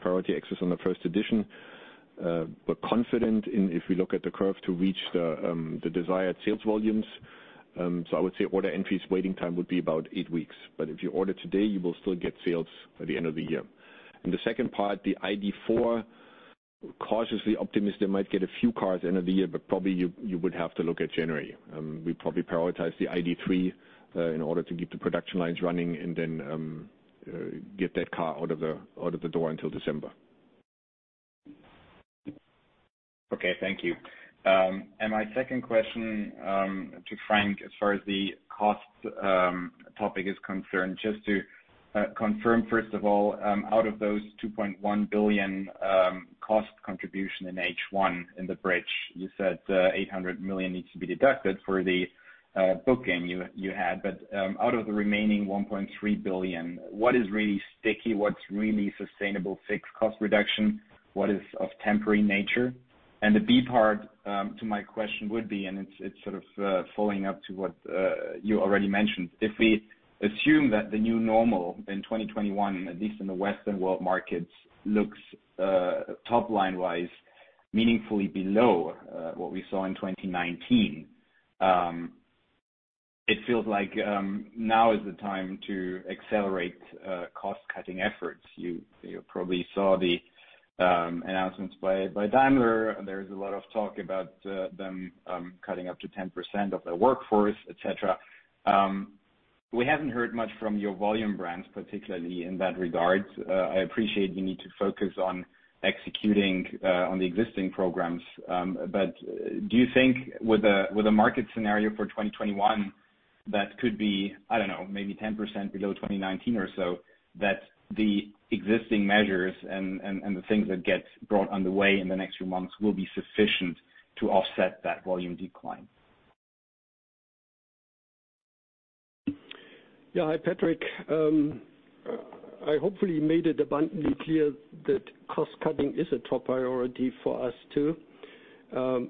priority access on the First Edition. We're confident if we look at the curve to reach the desired sales volumes. I would say order entry's waiting time would be about eight weeks. If you order today, you will still get sales by the end of the year. The second part, the ID.4, cautiously optimistic might get a few cars end of the year, but probably you would have to look at January. We probably prioritize the ID.3 in order to get the production lines running and then get that car out of the door until December. Okay. Thank you. My second question to Frank as far as the cost topic is concerned, just to confirm, first of all, out of those 2.1 billion cost contribution in H1 in the bridge, you said 800 million needs to be deducted for the booking you had. Out of the remaining 1.3 billion, what is really sticky, what's really sustainable fixed cost reduction? What is of temporary nature? The B part to my question would be, and it's sort of following up to what you already mentioned. If we assume that the new normal in 2021, at least in the Western world markets, looks top-line wise, meaningfully below what we saw in 2019. It feels like now is the time to accelerate cost-cutting efforts. You probably saw the announcements by Daimler. There is a lot of talk about them cutting up to 10% of their workforce, et cetera. We haven't heard much from your volume brands, particularly in that regard. I appreciate you need to focus on executing on the existing programs. Do you think with a market scenario for 2021 that could be, I don't know, maybe 10% below 2019 or so, that the existing measures and the things that get brought underway in the next few months will be sufficient to offset that volume decline? Hi, Patrick. I hopefully made it abundantly clear that cost-cutting is a top priority for us, too.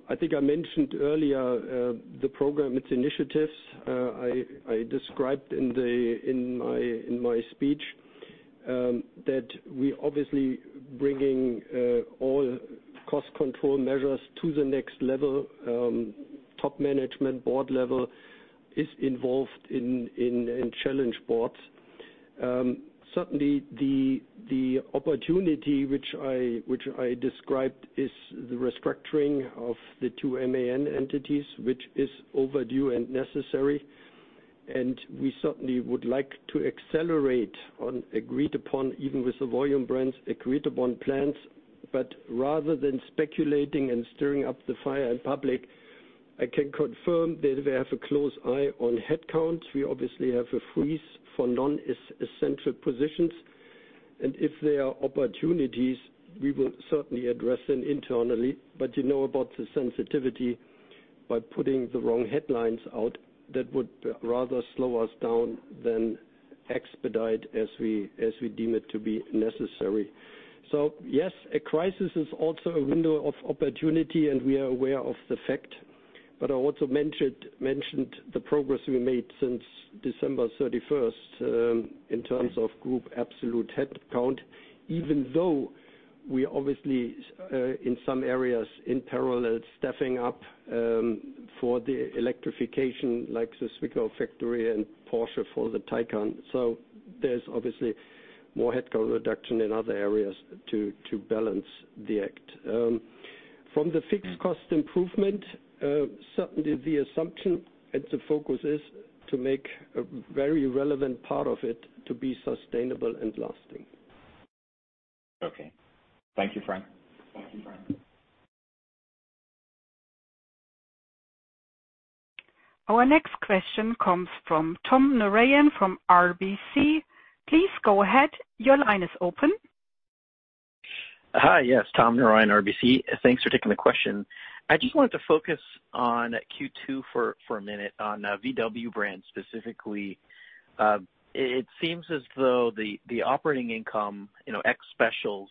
I think I mentioned earlier, the program, its initiatives. I described in my speech that we obviously bringing all cost control measures to the next level. Top management board level is involved in challenge boards. Certainly, the opportunity which I described is the restructuring of the two MAN entities, which is overdue and necessary. We certainly would like to accelerate on, agreed upon even with the volume brands, agreed-upon plans. Rather than speculating and stirring up the fire in public, I can confirm that we have a close eye on headcount. We obviously have a freeze for non-essential positions. If there are opportunities, we will certainly address them internally. You know about the sensitivity by putting the wrong headlines out, that would rather slow us down than expedite as we deem it to be necessary. Yes, a crisis is also a window of opportunity, and we are aware of the fact. I also mentioned the progress we made since December 31st, in terms of group absolute headcount, even though we obviously, in some areas, in parallel, staffing up for the electrification, like the Zwickau factory and Porsche for the Taycan. There's obviously more headcount reduction in other areas to balance the act. From the fixed cost improvement, certainly the assumption and the focus is to make a very relevant part of it to be sustainable and lasting. Okay. Thank you, Frank. Our next question comes from Tom Narayan from RBC. Please go ahead. Your line is open. Hi. Yes, Tom Narayan, RBC. Thanks for taking the question. I just wanted to focus on Q2 for a minute on VW brand specifically. It seems as though the operating income, ex specials,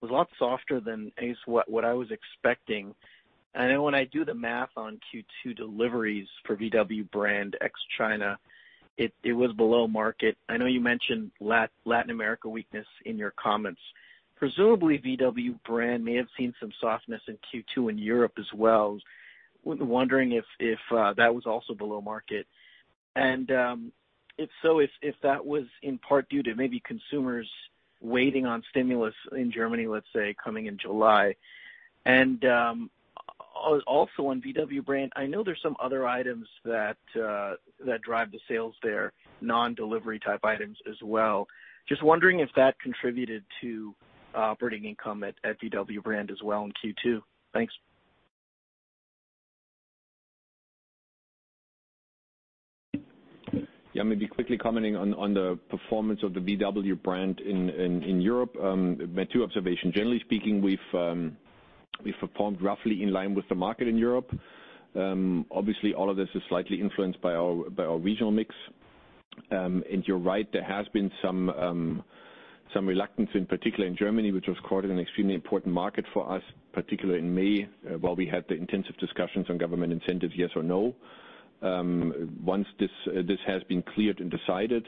was a lot softer than at least what I was expecting. Then when I do the math on Q2 deliveries for VW brand ex-China, it was below market. I know you mentioned Latin America weakness in your comments. Presumably VW brand may have seen some softness in Q2 in Europe as well. Wondering if that was also below market. If so, if that was in part due to maybe consumers waiting on stimulus in Germany, let's say, coming in July. Also on VW brand, I know there's some other items that drive the sales there, non-delivery type items as well. Just wondering if that contributed to operating income at VW brand as well in Q2. Thanks. Yeah, maybe quickly commenting on the performance of the VW brand in Europe. My two observations, generally speaking, we've performed roughly in line with the market in Europe. All of this is slightly influenced by our regional mix. You're right, there has been some reluctance, in particular in Germany, which of course is an extremely important market for us, particularly in May, while we had the intensive discussions on government incentives, yes or no. Once this has been cleared and decided,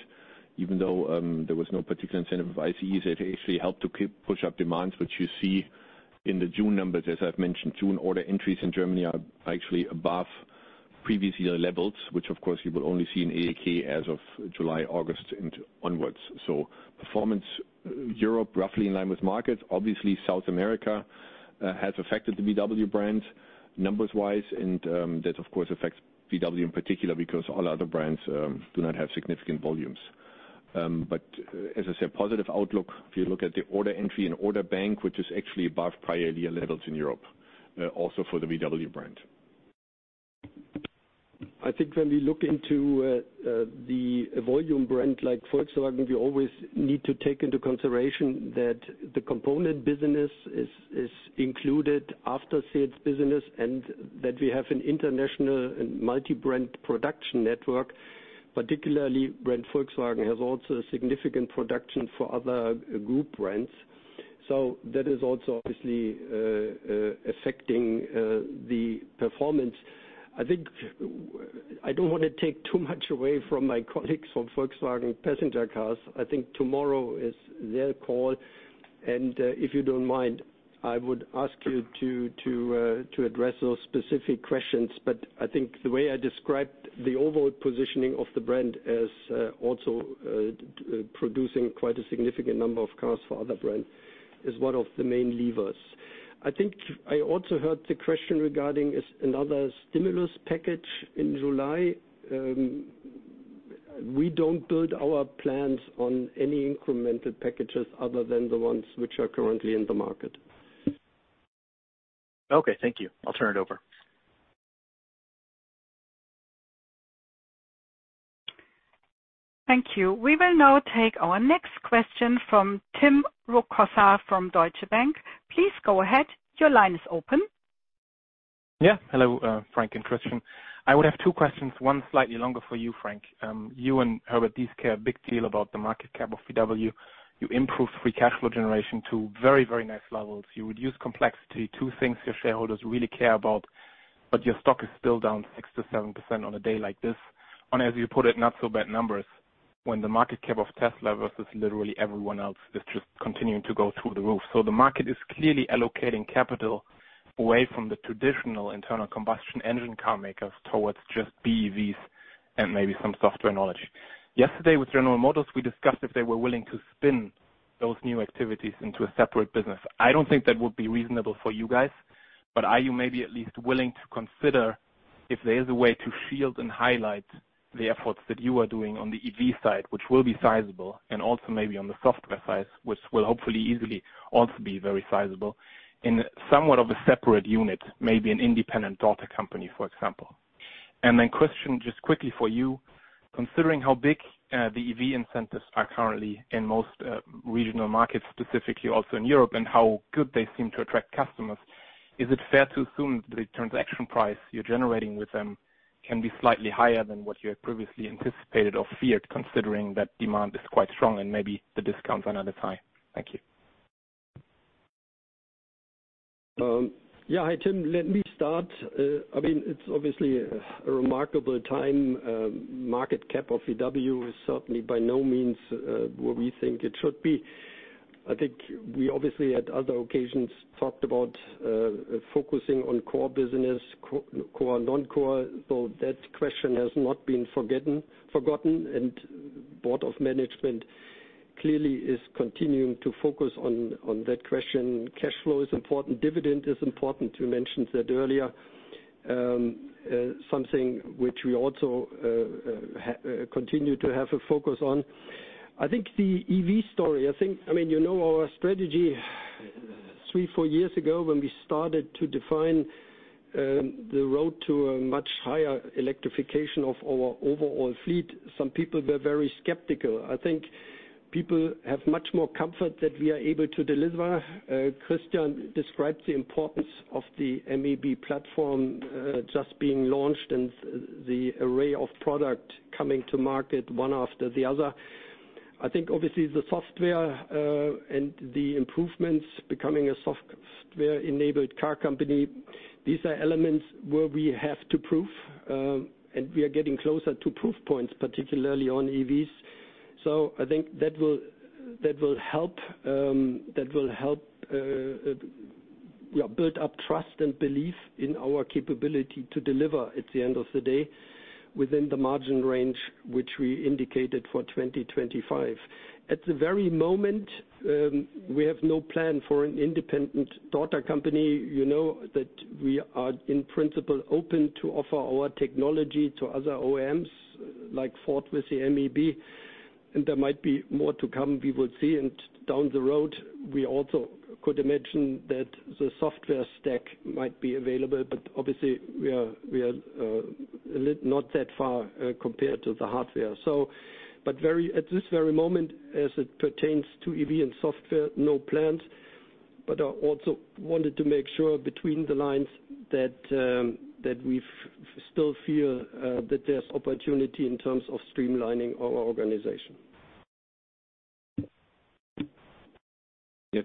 even though there was no particular incentive of ICE, it actually helped to push up demands, which you see in the June numbers, as I've mentioned. June order entries in Germany are actually above previous year levels, which of course you will only see in AAK as of July, August onwards. Performance Europe roughly in line with markets. Obviously, South America has affected the VW brand numbers-wise, and that of course affects VW in particular because all other brands do not have significant volumes. As I said, positive outlook if you look at the order entry and order bank, which is actually above prior year levels in Europe, also for the VW brand. I think when we look into the volume brand like Volkswagen, we always need to take into consideration that the component business is included aftersales business, and that we have an international and multi-brand production network, particularly brand Volkswagen has also a significant production for other group brands. That is also obviously affecting the performance. I don't want to take too much away from my colleagues from Volkswagen Passenger Cars. I think tomorrow is their call. If you don't mind, I would ask you to address those specific questions. I think the way I described the overall positioning of the brand as also producing quite a significant number of cars for other brands is one of the main levers. I think I also heard the question regarding another stimulus package in July. We don't build our plans on any incremental packages other than the ones which are currently in the market. Okay, thank you. I'll turn it over. Thank you. We will now take our next question from Tim Rokossa from Deutsche Bank. Please go ahead. Your line is open. Hello, Frank and Christian. I would have two questions, one slightly longer for you, Frank. You and Herbert care a big deal about the market cap of VW. You improved free cash flow generation to very nice levels. You reduced complexity, two things your shareholders really care about, your stock is still down 6%-7% on a day like this on, as you put it, not so bad numbers, when the market cap of Tesla versus literally everyone else is just continuing to go through the roof. The market is clearly allocating capital away from the traditional internal combustion engine car makers towards just BEVs and maybe some software knowledge. Yesterday with General Motors, we discussed if they were willing to spin those new activities into a separate business. I don't think that would be reasonable for you guys, but are you maybe at least willing to consider if there is a way to shield and highlight the efforts that you are doing on the EV side, which will be sizable, and also maybe on the software side, which will hopefully easily also be very sizable in somewhat of a separate unit, maybe an independent daughter company, for example. Question just quickly for you, considering how big the EV incentives are currently in most regional markets, specifically also in Europe, and how good they seem to attract customers, is it fair to assume that the transaction price you're generating with them can be slightly higher than what you had previously anticipated or feared, considering that demand is quite strong and maybe the discounts are not as high? Thank you. Yeah. Hi, Tim. Let me start. It's obviously a remarkable time. Market cap of VW is certainly by no means where we think it should be. I think we obviously at other occasions talked about focusing on core business, core and non-core. That question has not been forgotten, and Board of Management clearly is continuing to focus on that question. Cash flow is important. Dividend is important, we mentioned that earlier. Something which we also continue to have a focus on. I think the EV story, our strategy three, four years ago, when we started to define the road to a much higher electrification of our overall fleet, some people were very skeptical. I think people have much more comfort that we are able to deliver. Christian described the importance of the MEB platform just being launched and the array of product coming to market one after the other. I think obviously the software and the improvements becoming a software-enabled car company, these are elements where we have to prove, and we are getting closer to proof points, particularly on EVs. I think that will help build up trust and belief in our capability to deliver at the end of the day within the margin range which we indicated for 2025. At the very moment, we have no plan for an independent daughter company. You know that we are in principle open to offer our technology to other OEMs, like Ford with the MEB, and there might be more to come. We will see. Down the road, we also could imagine that the software stack might be available, but obviously we are not that far compared to the hardware. At this very moment, as it pertains to EV and software, no plans. I also wanted to make sure between the lines that we still feel that there's opportunity in terms of streamlining our organization.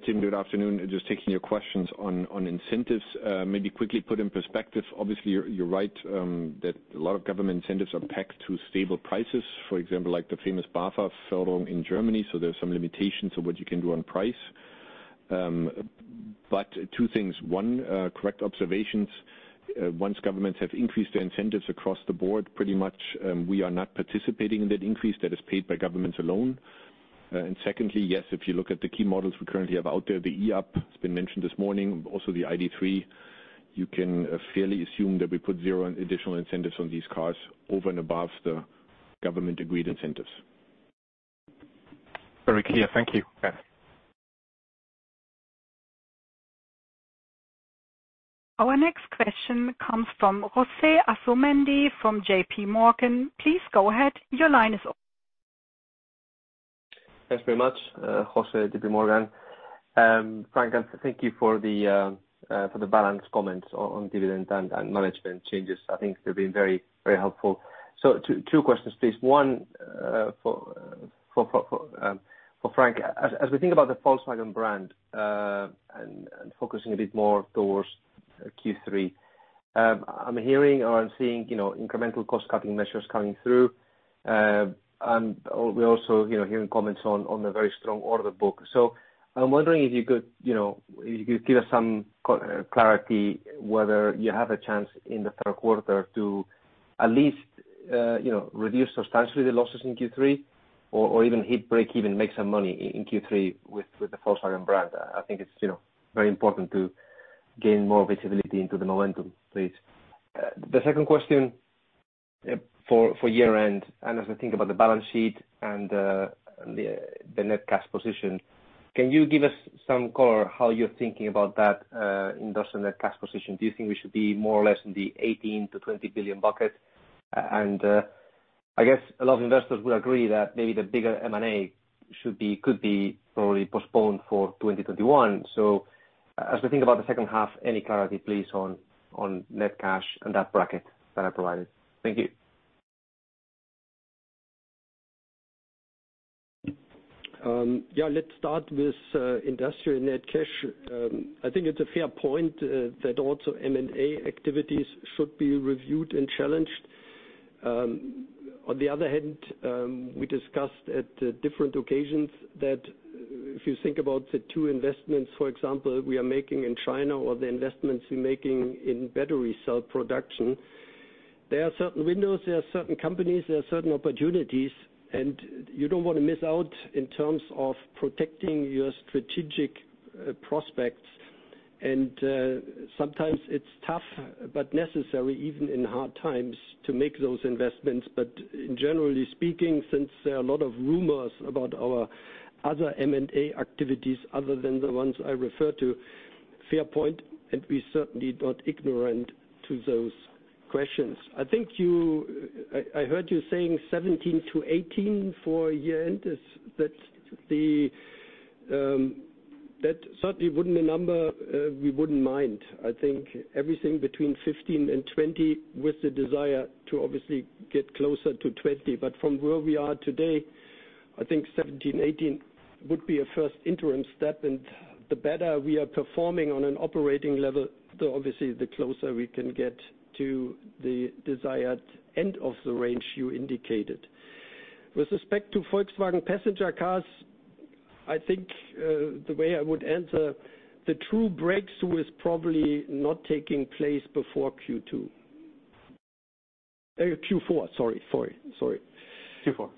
Tim, good afternoon. Just taking your questions on incentives, maybe quickly put in perspective. Obviously, you're right that a lot of government incentives are packed to stable prices. For example, like the famous BAFA program in Germany. There's some limitations on what you can do on price. Two things. One, correct observations. Once governments have increased their incentives across the board, pretty much we are not participating in that increase. That is paid by governments alone. Secondly, yes, if you look at the key models we currently have out there, the e-up! has been mentioned this morning, also the ID.3, you can fairly assume that we put zero additional incentives on these cars over and above the government-agreed incentives. Very clear. Thank you. Yeah. Our next question comes from José Asumendi from JPMorgan. Please go ahead. Your line is open. Thanks very much, Jose, JPMorgan. Frank, thank you for the balanced comments on dividend and management changes. I think they've been very helpful. Two questions, please. One for Frank. As we think about the Volkswagen brand and focusing a bit more towards Q3, I'm hearing or I'm seeing incremental cost-cutting measures coming through. We're also hearing comments on the very strong order book. I'm wondering if you could give us some clarity whether you have a chance in the third quarter to at least reduce substantially the losses in Q3 or even hit breakeven, make some money in Q3 with the Volkswagen brand. I think it's very important to gain more visibility into the momentum, please. The second question for year-end, and as we think about the balance sheet and the net cash position, can you give us some color how you're thinking about that industrial net cash position? Do you think we should be more or less in the 18 billion-20 billion bucket? I guess a lot of investors will agree that maybe the bigger M&A could be probably postponed for 2021. As we think about the second half, any clarity, please, on net cash and that bracket that I provided. Thank you. Yeah, let's start with industrial net cash. I think it's a fair point that also M&A activities should be reviewed and challenged. On the other hand, we discussed at different occasions that if you think about the two investments, for example, we are making in China or the investments we're making in battery cell production. There are certain windows, there are certain companies, there are certain opportunities, and you don't want to miss out in terms of protecting your strategic prospects. Sometimes it's tough but necessary, even in hard times, to make those investments. Generally speaking, since there are a lot of rumors about our other M&A activities other than the ones I refer to, fair point, and we're certainly not ignorant to those questions. I heard you saying 17-18 for year-end. That certainly wouldn't be a number we wouldn't mind. I think everything between 15 and 20 with the desire to obviously get closer to 20. From where we are today, I think 17, E18 would be a first interim step, and the better we are performing on an operating level, obviously the closer we can get to the desired end of the range you indicated. With respect to Volkswagen Passenger Cars, I think the way I would answer, the true breakthrough is probably not taking place before Q2. Q4, sorry. Q4.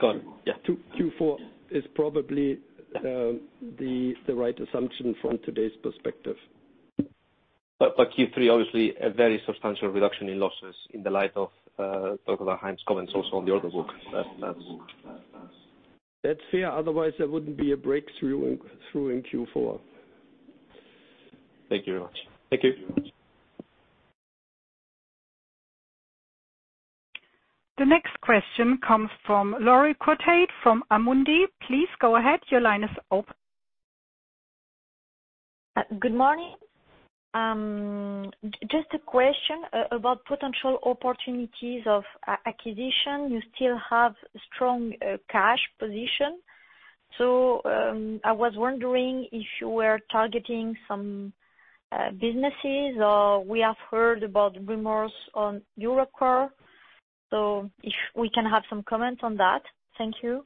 Got it. Yeah. Q4 is probably the right assumption from today's perspective. Q3, obviously, a very substantial reduction in losses in the light of Dr. Dahlheim's comments also on the order book. That's fair. Otherwise, there wouldn't be a breakthrough in Q4. Thank you very much. Thank you. The next question comes from [Laurie Cotate] from Amundi. Please go ahead. Your line is open. Good morning. Just a question about potential opportunities of acquisition. You still have strong cash position. I was wondering if you were targeting some businesses or we have heard about rumors on Europcar. If we can have some comments on that. Thank you.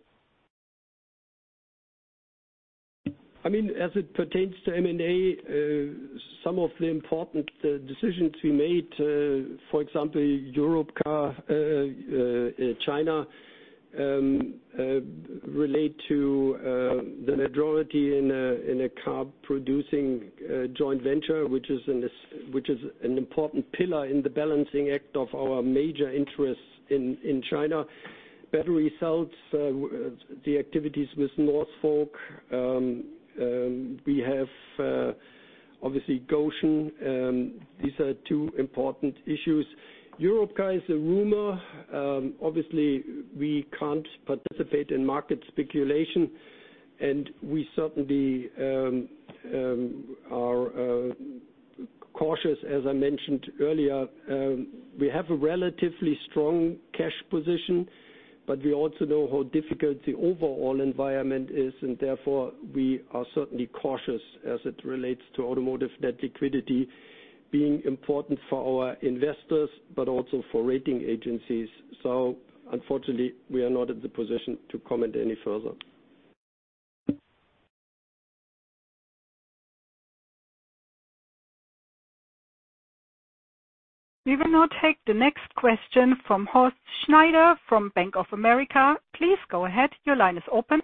As it pertains to M&A, some of the important decisions we made, for example, Europcar, China, relate to the majority in a car-producing joint venture, which is an important pillar in the balancing act of our major interests in China. Battery cells, the activities with Northvolt. We have, obviously, Gotion. These are two important issues. Europcar is a rumor. We can't participate in market speculation, and we certainly are cautious, as I mentioned earlier. We have a relatively strong cash position, but we also know how difficult the overall environment is, and therefore, we are certainly cautious as it relates to automotive net liquidity being important for our investors, but also for rating agencies. Unfortunately, we are not in the position to comment any further. We will now take the next question from Horst Schneider from Bank of America. Please go ahead. Your line is open.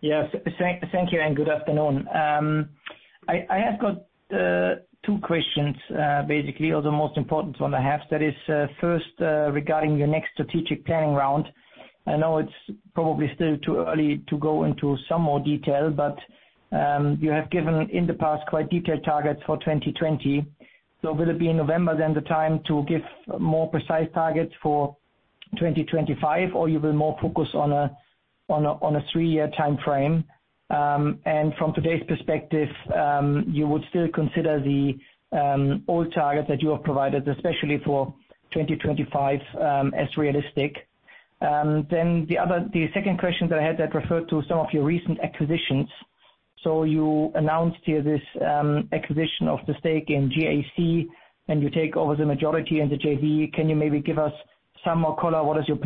Yes. Thank you and good afternoon. I have got two questions, basically. Regarding your next strategic planning round. I know it's probably still too early to go into some more detail, but you have given in the past quite detailed targets for 2020. Will it be in November then the time to give more precise targets for 2025, or you will more focus on a three-year timeframe? From today's perspective, you would still consider the old targets that you have provided, especially for 2025, as realistic? The second question that I had referred to some recent acquisitions. You announced here this acquisition of the stake in JAC, and you take over the majority in the JV. Can you maybe give us some more color? What are your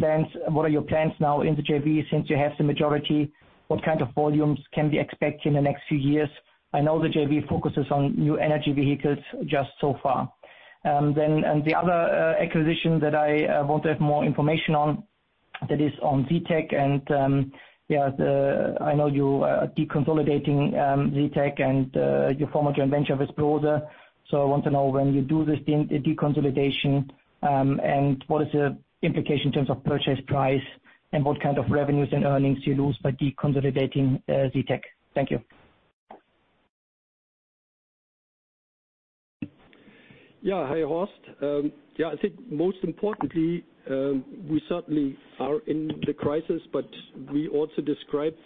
plans now in the JV since you have the majority? What kind of volumes can we expect in the next few years? I know the JV focuses on new energy vehicles just so far. The other acquisition that I want to have more information on, that is on Sitech. Yes, I know you are deconsolidating Sitech and you formed a joint venture with Brose. I want to know when you do this deconsolidation, and what is the implication in terms of purchase price and what kind of revenues and earnings you lose by deconsolidating Sitech. Thank you. Hi, Horst. I think most importantly, we certainly are in the crisis, but we also described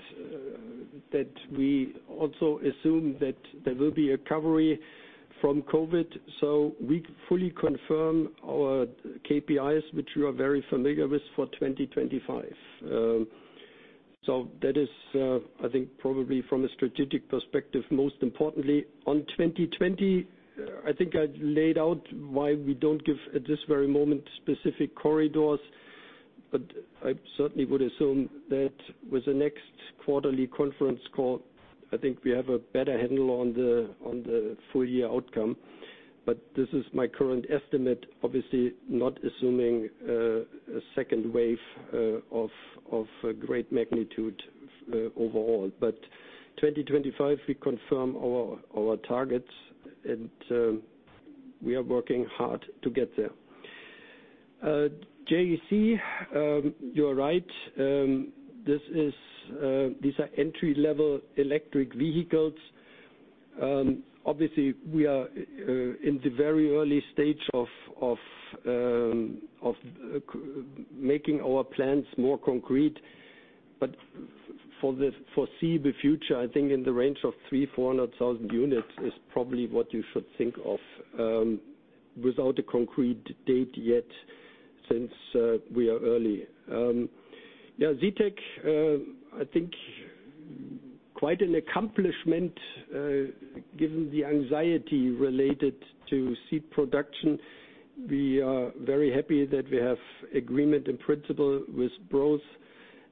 that we also assume that there will be a recovery from COVID. We fully confirm our KPIs, which you are very familiar with, for 2025. That is, I think, probably from a strategic perspective, most importantly. On 2020, I think I laid out why we don't give, at this very moment, specific corridors. I certainly would assume that with the next quarterly conference call, I think we have a better handle on the full-year outcome. This is my current estimate, obviously not assuming a second wave of great magnitude overall. 2025, we confirm our targets, and we are working hard to get there. JAC, you are right. These are entry-level electric vehicles. Obviously, we are in the very early stage of making our plans more concrete. For the foreseeable future, I think in the range of 300,000-400,000 units is probably what you should think of without a concrete date yet since we are early. Sitech, I think quite an accomplishment given the anxiety related to seat production. We are very happy that we have agreement in principle with Brose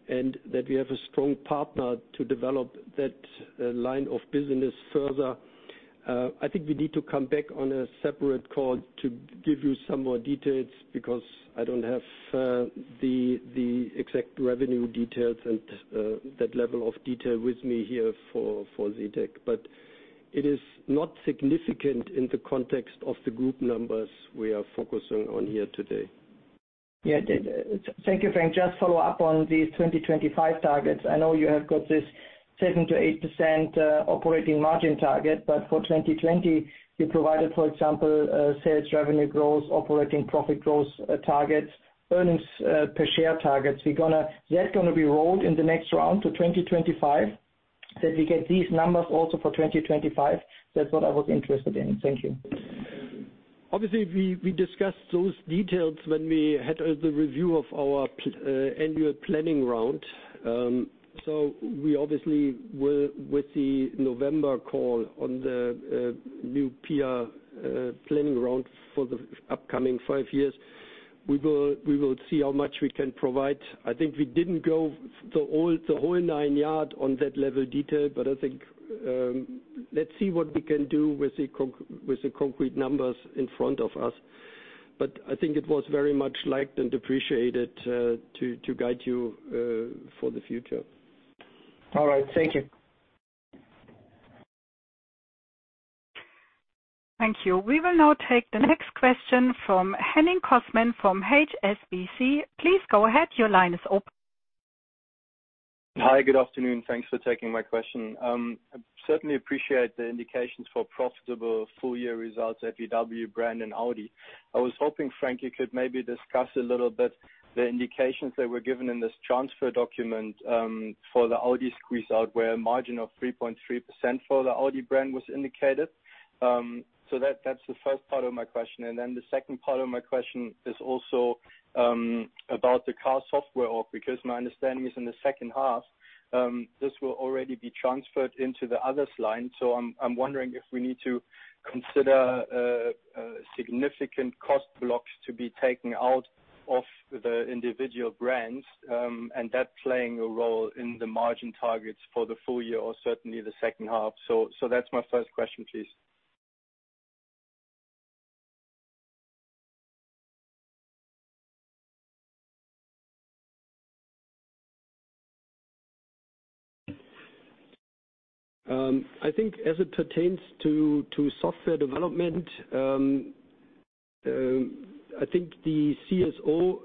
and that we have a strong partner to develop that line of business further. I think we need to come back on a separate call to give you some more details because I don't have the exact revenue details and that level of detail with me here for Sitech. It is not significant in the context of the group numbers we are focusing on here today. Yeah. Thank you, Frank. Just follow up on these 2025 targets. I know you have got this 7%-8% operating margin target. For 2020, you provided, for example, sales revenue growth, operating profit growth targets, earnings per share targets. Is that going to be rolled in the next round to 2025, that we get these numbers also for 2025? That's what I was interested in. Thank you. Obviously, we discussed those details when we had the review of our annual planning round. We obviously will, with the November call on the new PR planning round for the upcoming five years, we will see how much we can provide. I think we didn't go the whole nine yards on that level of detail, but I think, let's see what we can do with the concrete numbers in front of us. I think it was very much liked and appreciated to guide you for the future. All right. Thank you. Thank you. We will now take the next question from Henning Cosman from HSBC. Please go ahead. Your line is open. Hi, good afternoon. Thanks for taking my question. I certainly appreciate the indications for profitable full-year results at VW brand and Audi. I was hoping, Frank, you could maybe discuss a little bit the indications that were given in this transfer document for the Audi squeeze-out, where a margin of 3.3% for the Audi brand was indicated. That's the first part of my question. The second part of my question is also about the Car.Software Org, because my understanding is in the second half, this will already be transferred into the others line. I'm wondering if we need to consider significant cost blocks to be taken out of the individual brands, and that playing a role in the margin targets for the full year or certainly the second half. That's my first question, please. I think as it pertains to software development, I think the CSO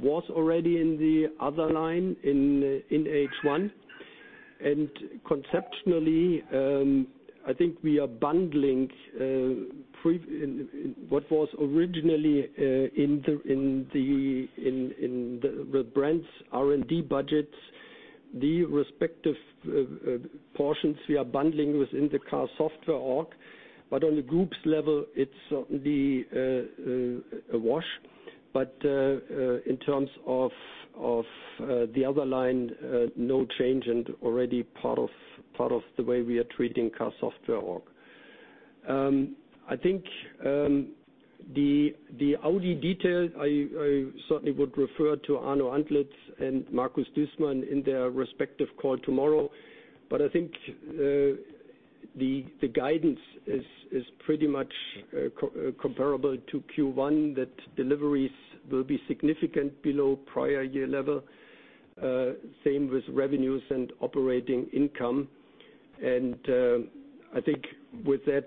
was already in the other line in H1. Conceptually, I think we are bundling what was originally in the brand's R&D budgets. The respective portions we are bundling within the Car.Software Org, on the group's level, it's certainly a wash. In terms of the other line, no change and already part of the way we are treating Car.Software Org. I think the Audi detail, I certainly would refer to Arno Antlitz and Markus Duesmann in their respective call tomorrow. I think the guidance is pretty much comparable to Q1, that deliveries will be significant below prior year level. Same with revenues and operating income. I think with that,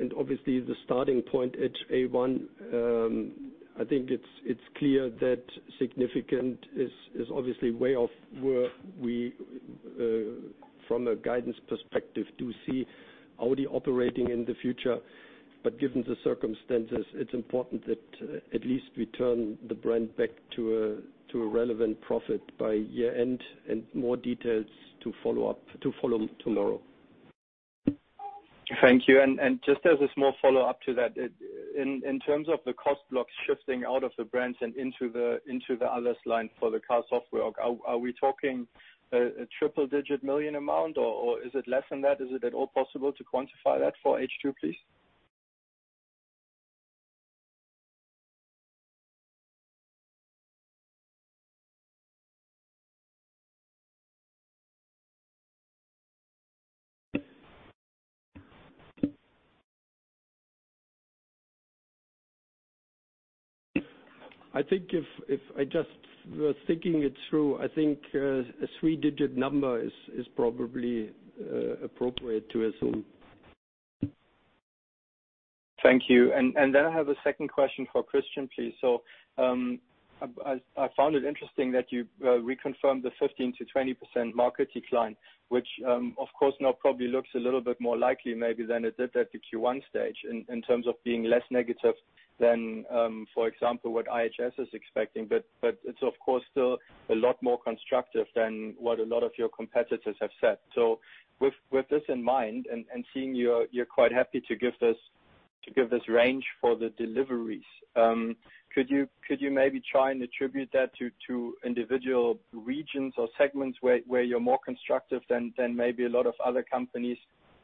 and obviously the starting point at H1, I think it's clear that significant is obviously way off where we, from a guidance perspective, do see Audi operating in the future. Given the circumstances, it's important that at least we turn the brand back to a relevant profit by year-end and more details to follow tomorrow. Thank you. Just as a small follow-up to that. In terms of the cost blocks shifting out of the brands and into the others line for the Car.Software Org, are we talking a triple-digit million amount, or is it less than that? Is it at all possible to quantify that for H2, please? I just was thinking it through. I think a three-digit number is probably appropriate to assume. Thank you. I have a second question for Christian, please. I found it interesting that you reconfirmed the 15%-20% market decline, which of course now probably looks a little bit more likely maybe than it did at the Q1 stage in terms of being less negative than, for example, what IHS is expecting. It's of course still a lot more constructive than what a lot of your competitors have said. With this in mind and seeing you're quite happy to give this range for the deliveries, could you maybe try and attribute that to individual regions or segments where you're more constructive than maybe a lot of other companies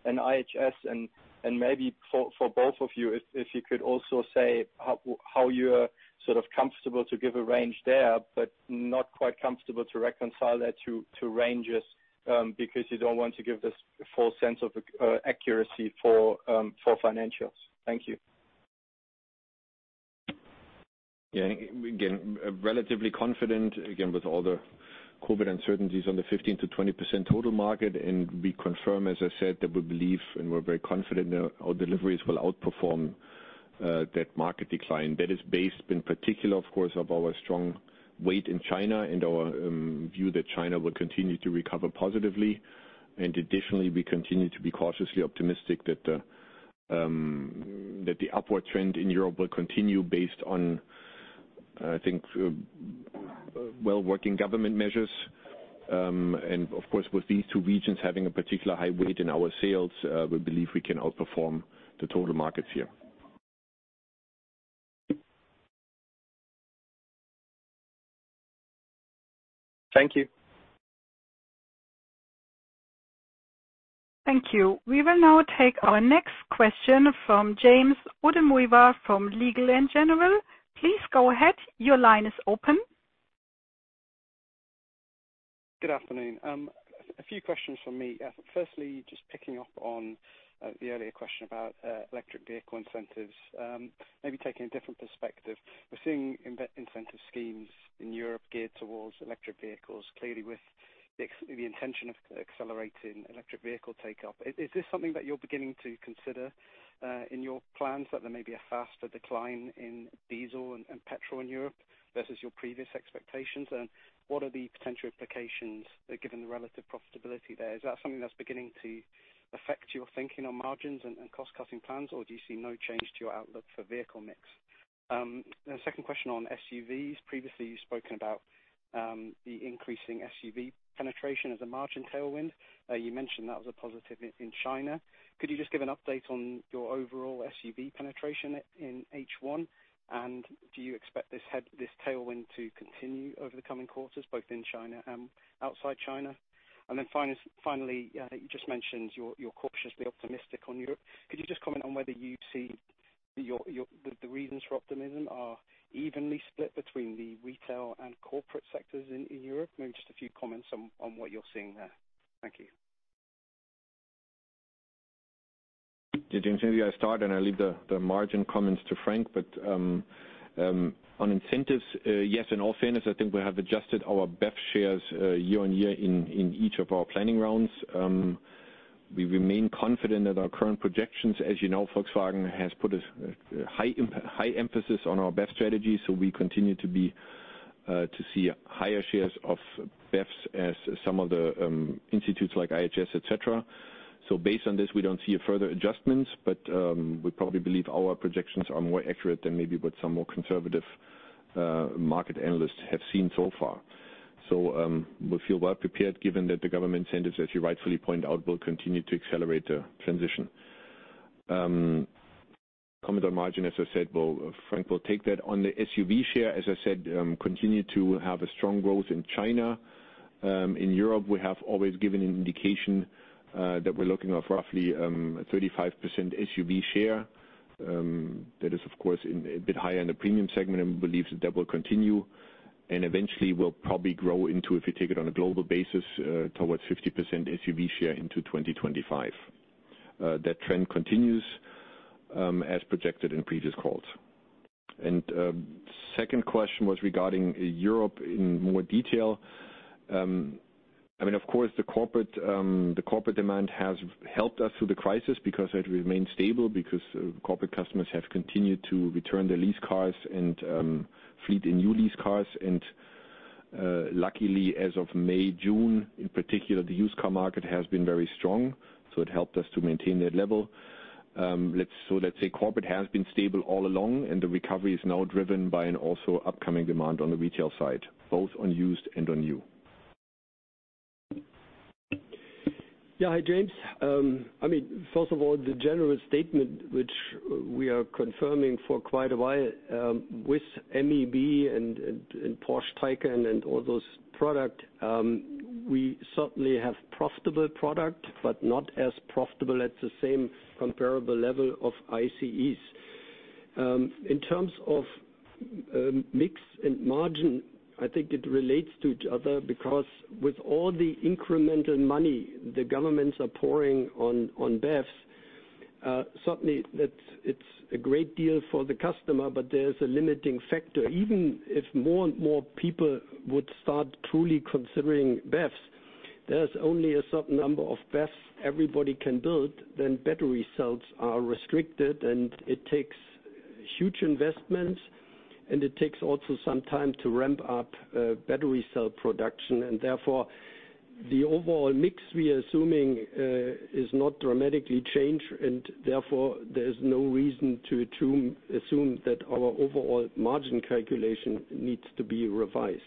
and IHS? Maybe for both of you, if you could also say how you are sort of comfortable to give a range there, but not quite comfortable to reconcile that to ranges because you don't want to give this false sense of accuracy for financials. Thank you. Yeah. Relatively confident, with all the COVID uncertainties on the 15%-20% total market. We confirm, as I said, that we believe and we're very confident our deliveries will outperform that market decline. That is based in particular, of course, of our strong weight in China and our view that China will continue to recover positively. Additionally, we continue to be cautiously optimistic that the upward trend in Europe will continue based on, I think, well-working government measures. Of course, with these two regions having a particular high weight in our sales, we believe we can outperform the total markets here. Thank you. Thank you. We will now take our next question from James Wood from Legal & General. Please go ahead. Your line is open. Good afternoon. A few questions from me. Firstly, just picking up on the earlier question about electric vehicle incentives, maybe taking a different perspective. We're seeing incentive schemes in Europe geared towards electric vehicles, clearly with the intention of accelerating electric vehicle take-up. Is this something that you're beginning to consider in your plans, that there may be a faster decline in diesel and petrol in Europe versus your previous expectations? What are the potential implications given the relative profitability there? Is that something that's beginning to affect your thinking on margins and cost-cutting plans, or do you see no change to your outlook for vehicle mix? The second question on SUVs. Previously, you've spoken about the increasing SUV penetration as a margin tailwind. You mentioned that was a positive in China. Could you just give an update on your overall SUV penetration in H1? Do you expect this tailwind to continue over the coming quarters, both in China and outside China? Finally, I think you just mentioned you're cautiously optimistic on Europe. Could you just comment on whether you see the reasons for optimism are evenly split between the retail and corporate sectors in Europe? Maybe just a few comments on what you're seeing there. Thank you. James, maybe I start, and I leave the margin comments to Frank. On incentives, yes, in all fairness, I think we have adjusted our BEV shares year-on-year in each of our planning rounds. We remain confident at our current projections. As you know, Volkswagen has put a high emphasis on our BEV strategy. We continue to see higher shares of BEVs as some of the institutes like IHS, et cetera. Based on this, we don't see further adjustments. We probably believe our projections are more accurate than maybe what some more conservative market analysts have seen so far. We feel well prepared given that the government incentives, as you rightfully point out, will continue to accelerate the transition. Comment on margin, as I said, Frank will take that. On the SUV share, as I said, continue to have a strong growth in China. In Europe, we have always given an indication that we're looking at roughly 35% SUV share. That is of course a bit higher in the premium segment and we believe that will continue, and eventually will probably grow into, if you take it on a global basis, towards 50% SUV share into 2025. That trend continues as projected in previous calls. Second question was regarding Europe in more detail. Of course, the corporate demand has helped us through the crisis because it remained stable, because corporate customers have continued to return their lease cars and fleet the new lease cars. Luckily as of May, June in particular, the used car market has been very strong, so it helped us to maintain that level. Let's say corporate has been stable all along and the recovery is now driven by an also upcoming demand on the retail side, both on used and on new. Hi, James. First of all, the general statement, which we are confirming for quite a while, with MEB and Porsche Taycan and all those product, we certainly have profitable product, but not as profitable at the same comparable level of ICEs. In terms of mix and margin, I think it relates to each other because with all the incremental money the governments are pouring on BEVs, certainly it's a great deal for the customer, but there's a limiting factor. Even if more and more people would start truly considering BEVs, there's only a certain number of BEVs everybody can build, then battery cells are restricted, and it takes huge investments, and it takes also some time to ramp up battery cell production. Therefore, the overall mix we are assuming does not dramatically change, and therefore, there's no reason to assume that our overall margin calculation needs to be revised.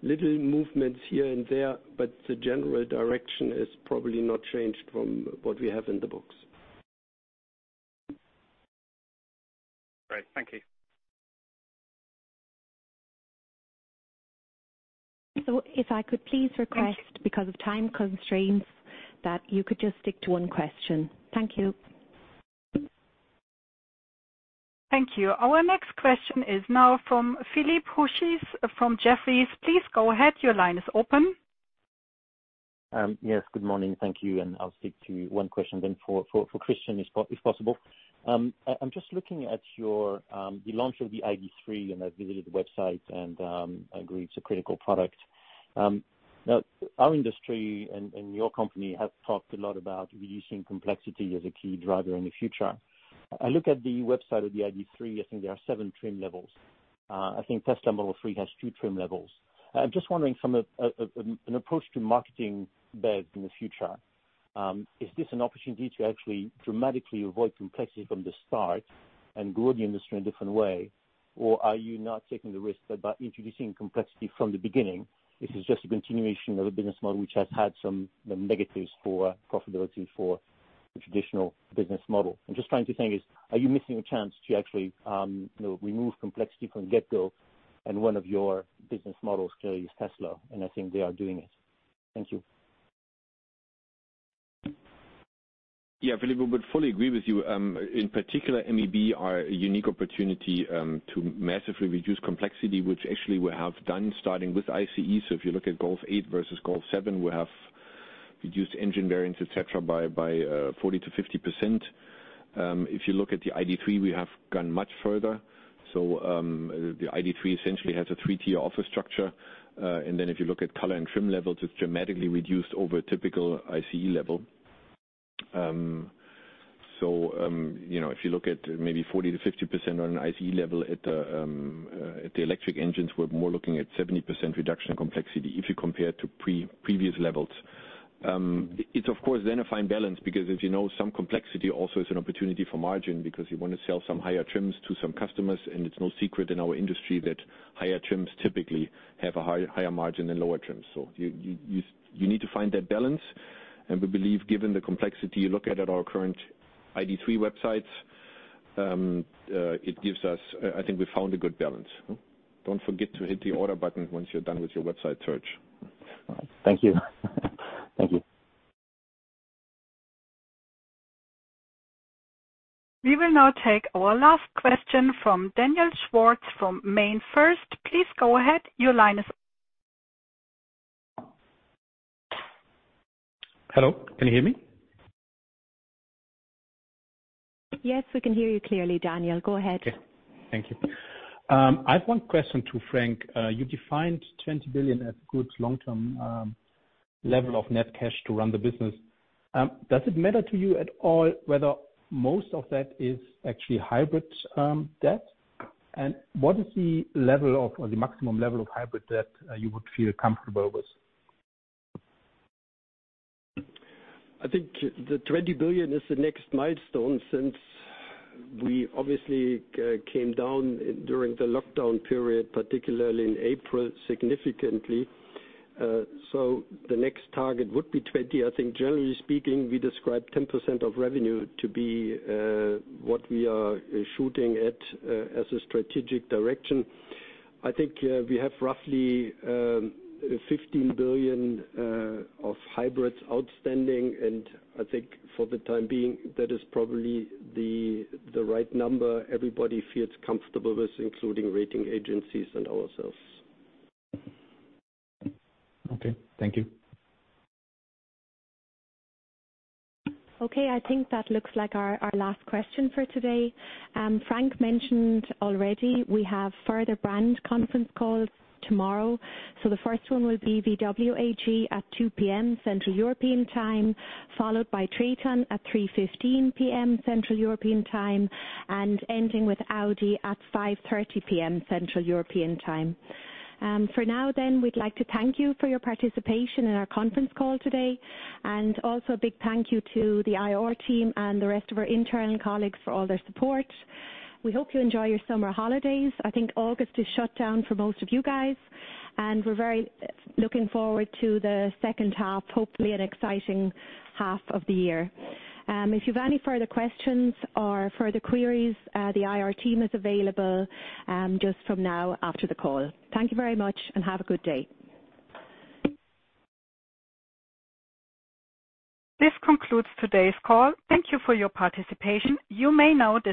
Little movements here and there, but the general direction is probably not changed from what we have in the books. Great. Thank you. If I could please request, because of time constraints, that you could just stick to one question. Thank you. Thank you. Our next question is now from Philippe Houchois from Jefferies. Please go ahead. Your line is open. Yes, good morning. Thank you. I'll stick to one question then for Christian, if possible. I'm just looking at the launch of the ID.3, and I visited the website, and I agree it's a critical product. Our industry and your company have talked a lot about reducing complexity as a key driver in the future. I look at the website of the ID.3, I think there are seven trim levels. I think Tesla Model 3 has two trim levels. I'm just wondering from an approach to marketing BEV in the future, is this an opportunity to actually dramatically avoid complexity from the start and grow the industry in a different way? Are you now taking the risk that by introducing complexity from the beginning, this is just a continuation of a business model which has had some negatives for profitability for the traditional business model? I'm just trying to think, are you missing a chance to actually remove complexity from the get-go? One of your business models clearly is Tesla, and I think they are doing it. Thank you. Yeah, Philippe, we would fully agree with you. In particular, MEB are a unique opportunity to massively reduce complexity, which actually we have done starting with ICE. If you look at Golf 8 versus Golf 7, we have reduced engine variants, et cetera, by 40%-50%. If you look at the ID.3, we have gone much further. The ID.3 essentially has a 3-tier offer structure. If you look at color and trim levels, it's dramatically reduced over a typical ICE level. If you look at maybe 40%-50% on an ICE level at the electric engines, we're more looking at 70% reduction in complexity if you compare to previous levels. It's of course then a fine balance because as you know, some complexity also is an opportunity for margin because you want to sell some higher trims to some customers, and it's no secret in our industry that higher trims typically have a higher margin than lower trims. You need to find that balance, and we believe given the complexity you look at at our current ID.3 websites, I think we found a good balance. Don't forget to hit the order button once you're done with your website search. Thank you. Thank you. We will now take our last question from Daniel Schwarz from MainFirst. Please go ahead. Your line is. Hello, can you hear me? Yes, we can hear you clearly, Daniel. Go ahead. Okay. Thank you. I have one question to Frank. You defined 20 billion as a good long-term level of net cash to run the business. Does it matter to you at all whether most of that is actually hybrid debt? What is the level of, or the maximum level of hybrid that you would feel comfortable with? I think the 20 billion is the next milestone, since we obviously came down during the lockdown period, particularly in April, significantly. The next target would be 20 billion. I think generally speaking, we describe 10% of revenue to be what we are shooting at as a strategic direction. I think we have roughly 15 billion of hybrids outstanding, and I think for the time being, that is probably the right number everybody feels comfortable with, including rating agencies and ourselves. Okay, thank you. Okay, I think that looks like our last question for today. Frank mentioned already, we have further brand conference calls tomorrow. The first one will be VW AG at 2:00 P.M. Central European Time, followed by TRATON at 3:15 P.M. Central European Time, and ending with Audi at 5:30 P.M. Central European Time. For now we'd like to thank you for your participation in our conference call today, and also a big thank you to the IR team and the rest of our internal colleagues for all their support. We hope you enjoy your summer holidays. I think August is shut down for most of you guys, we're very looking forward to the second half, hopefully an exciting half of the year. If you've any further questions or further queries, the IR team is available just from now after the call. Thank you very much and have a good day. This concludes today's call. Thank you for your participation. You may now disconnect.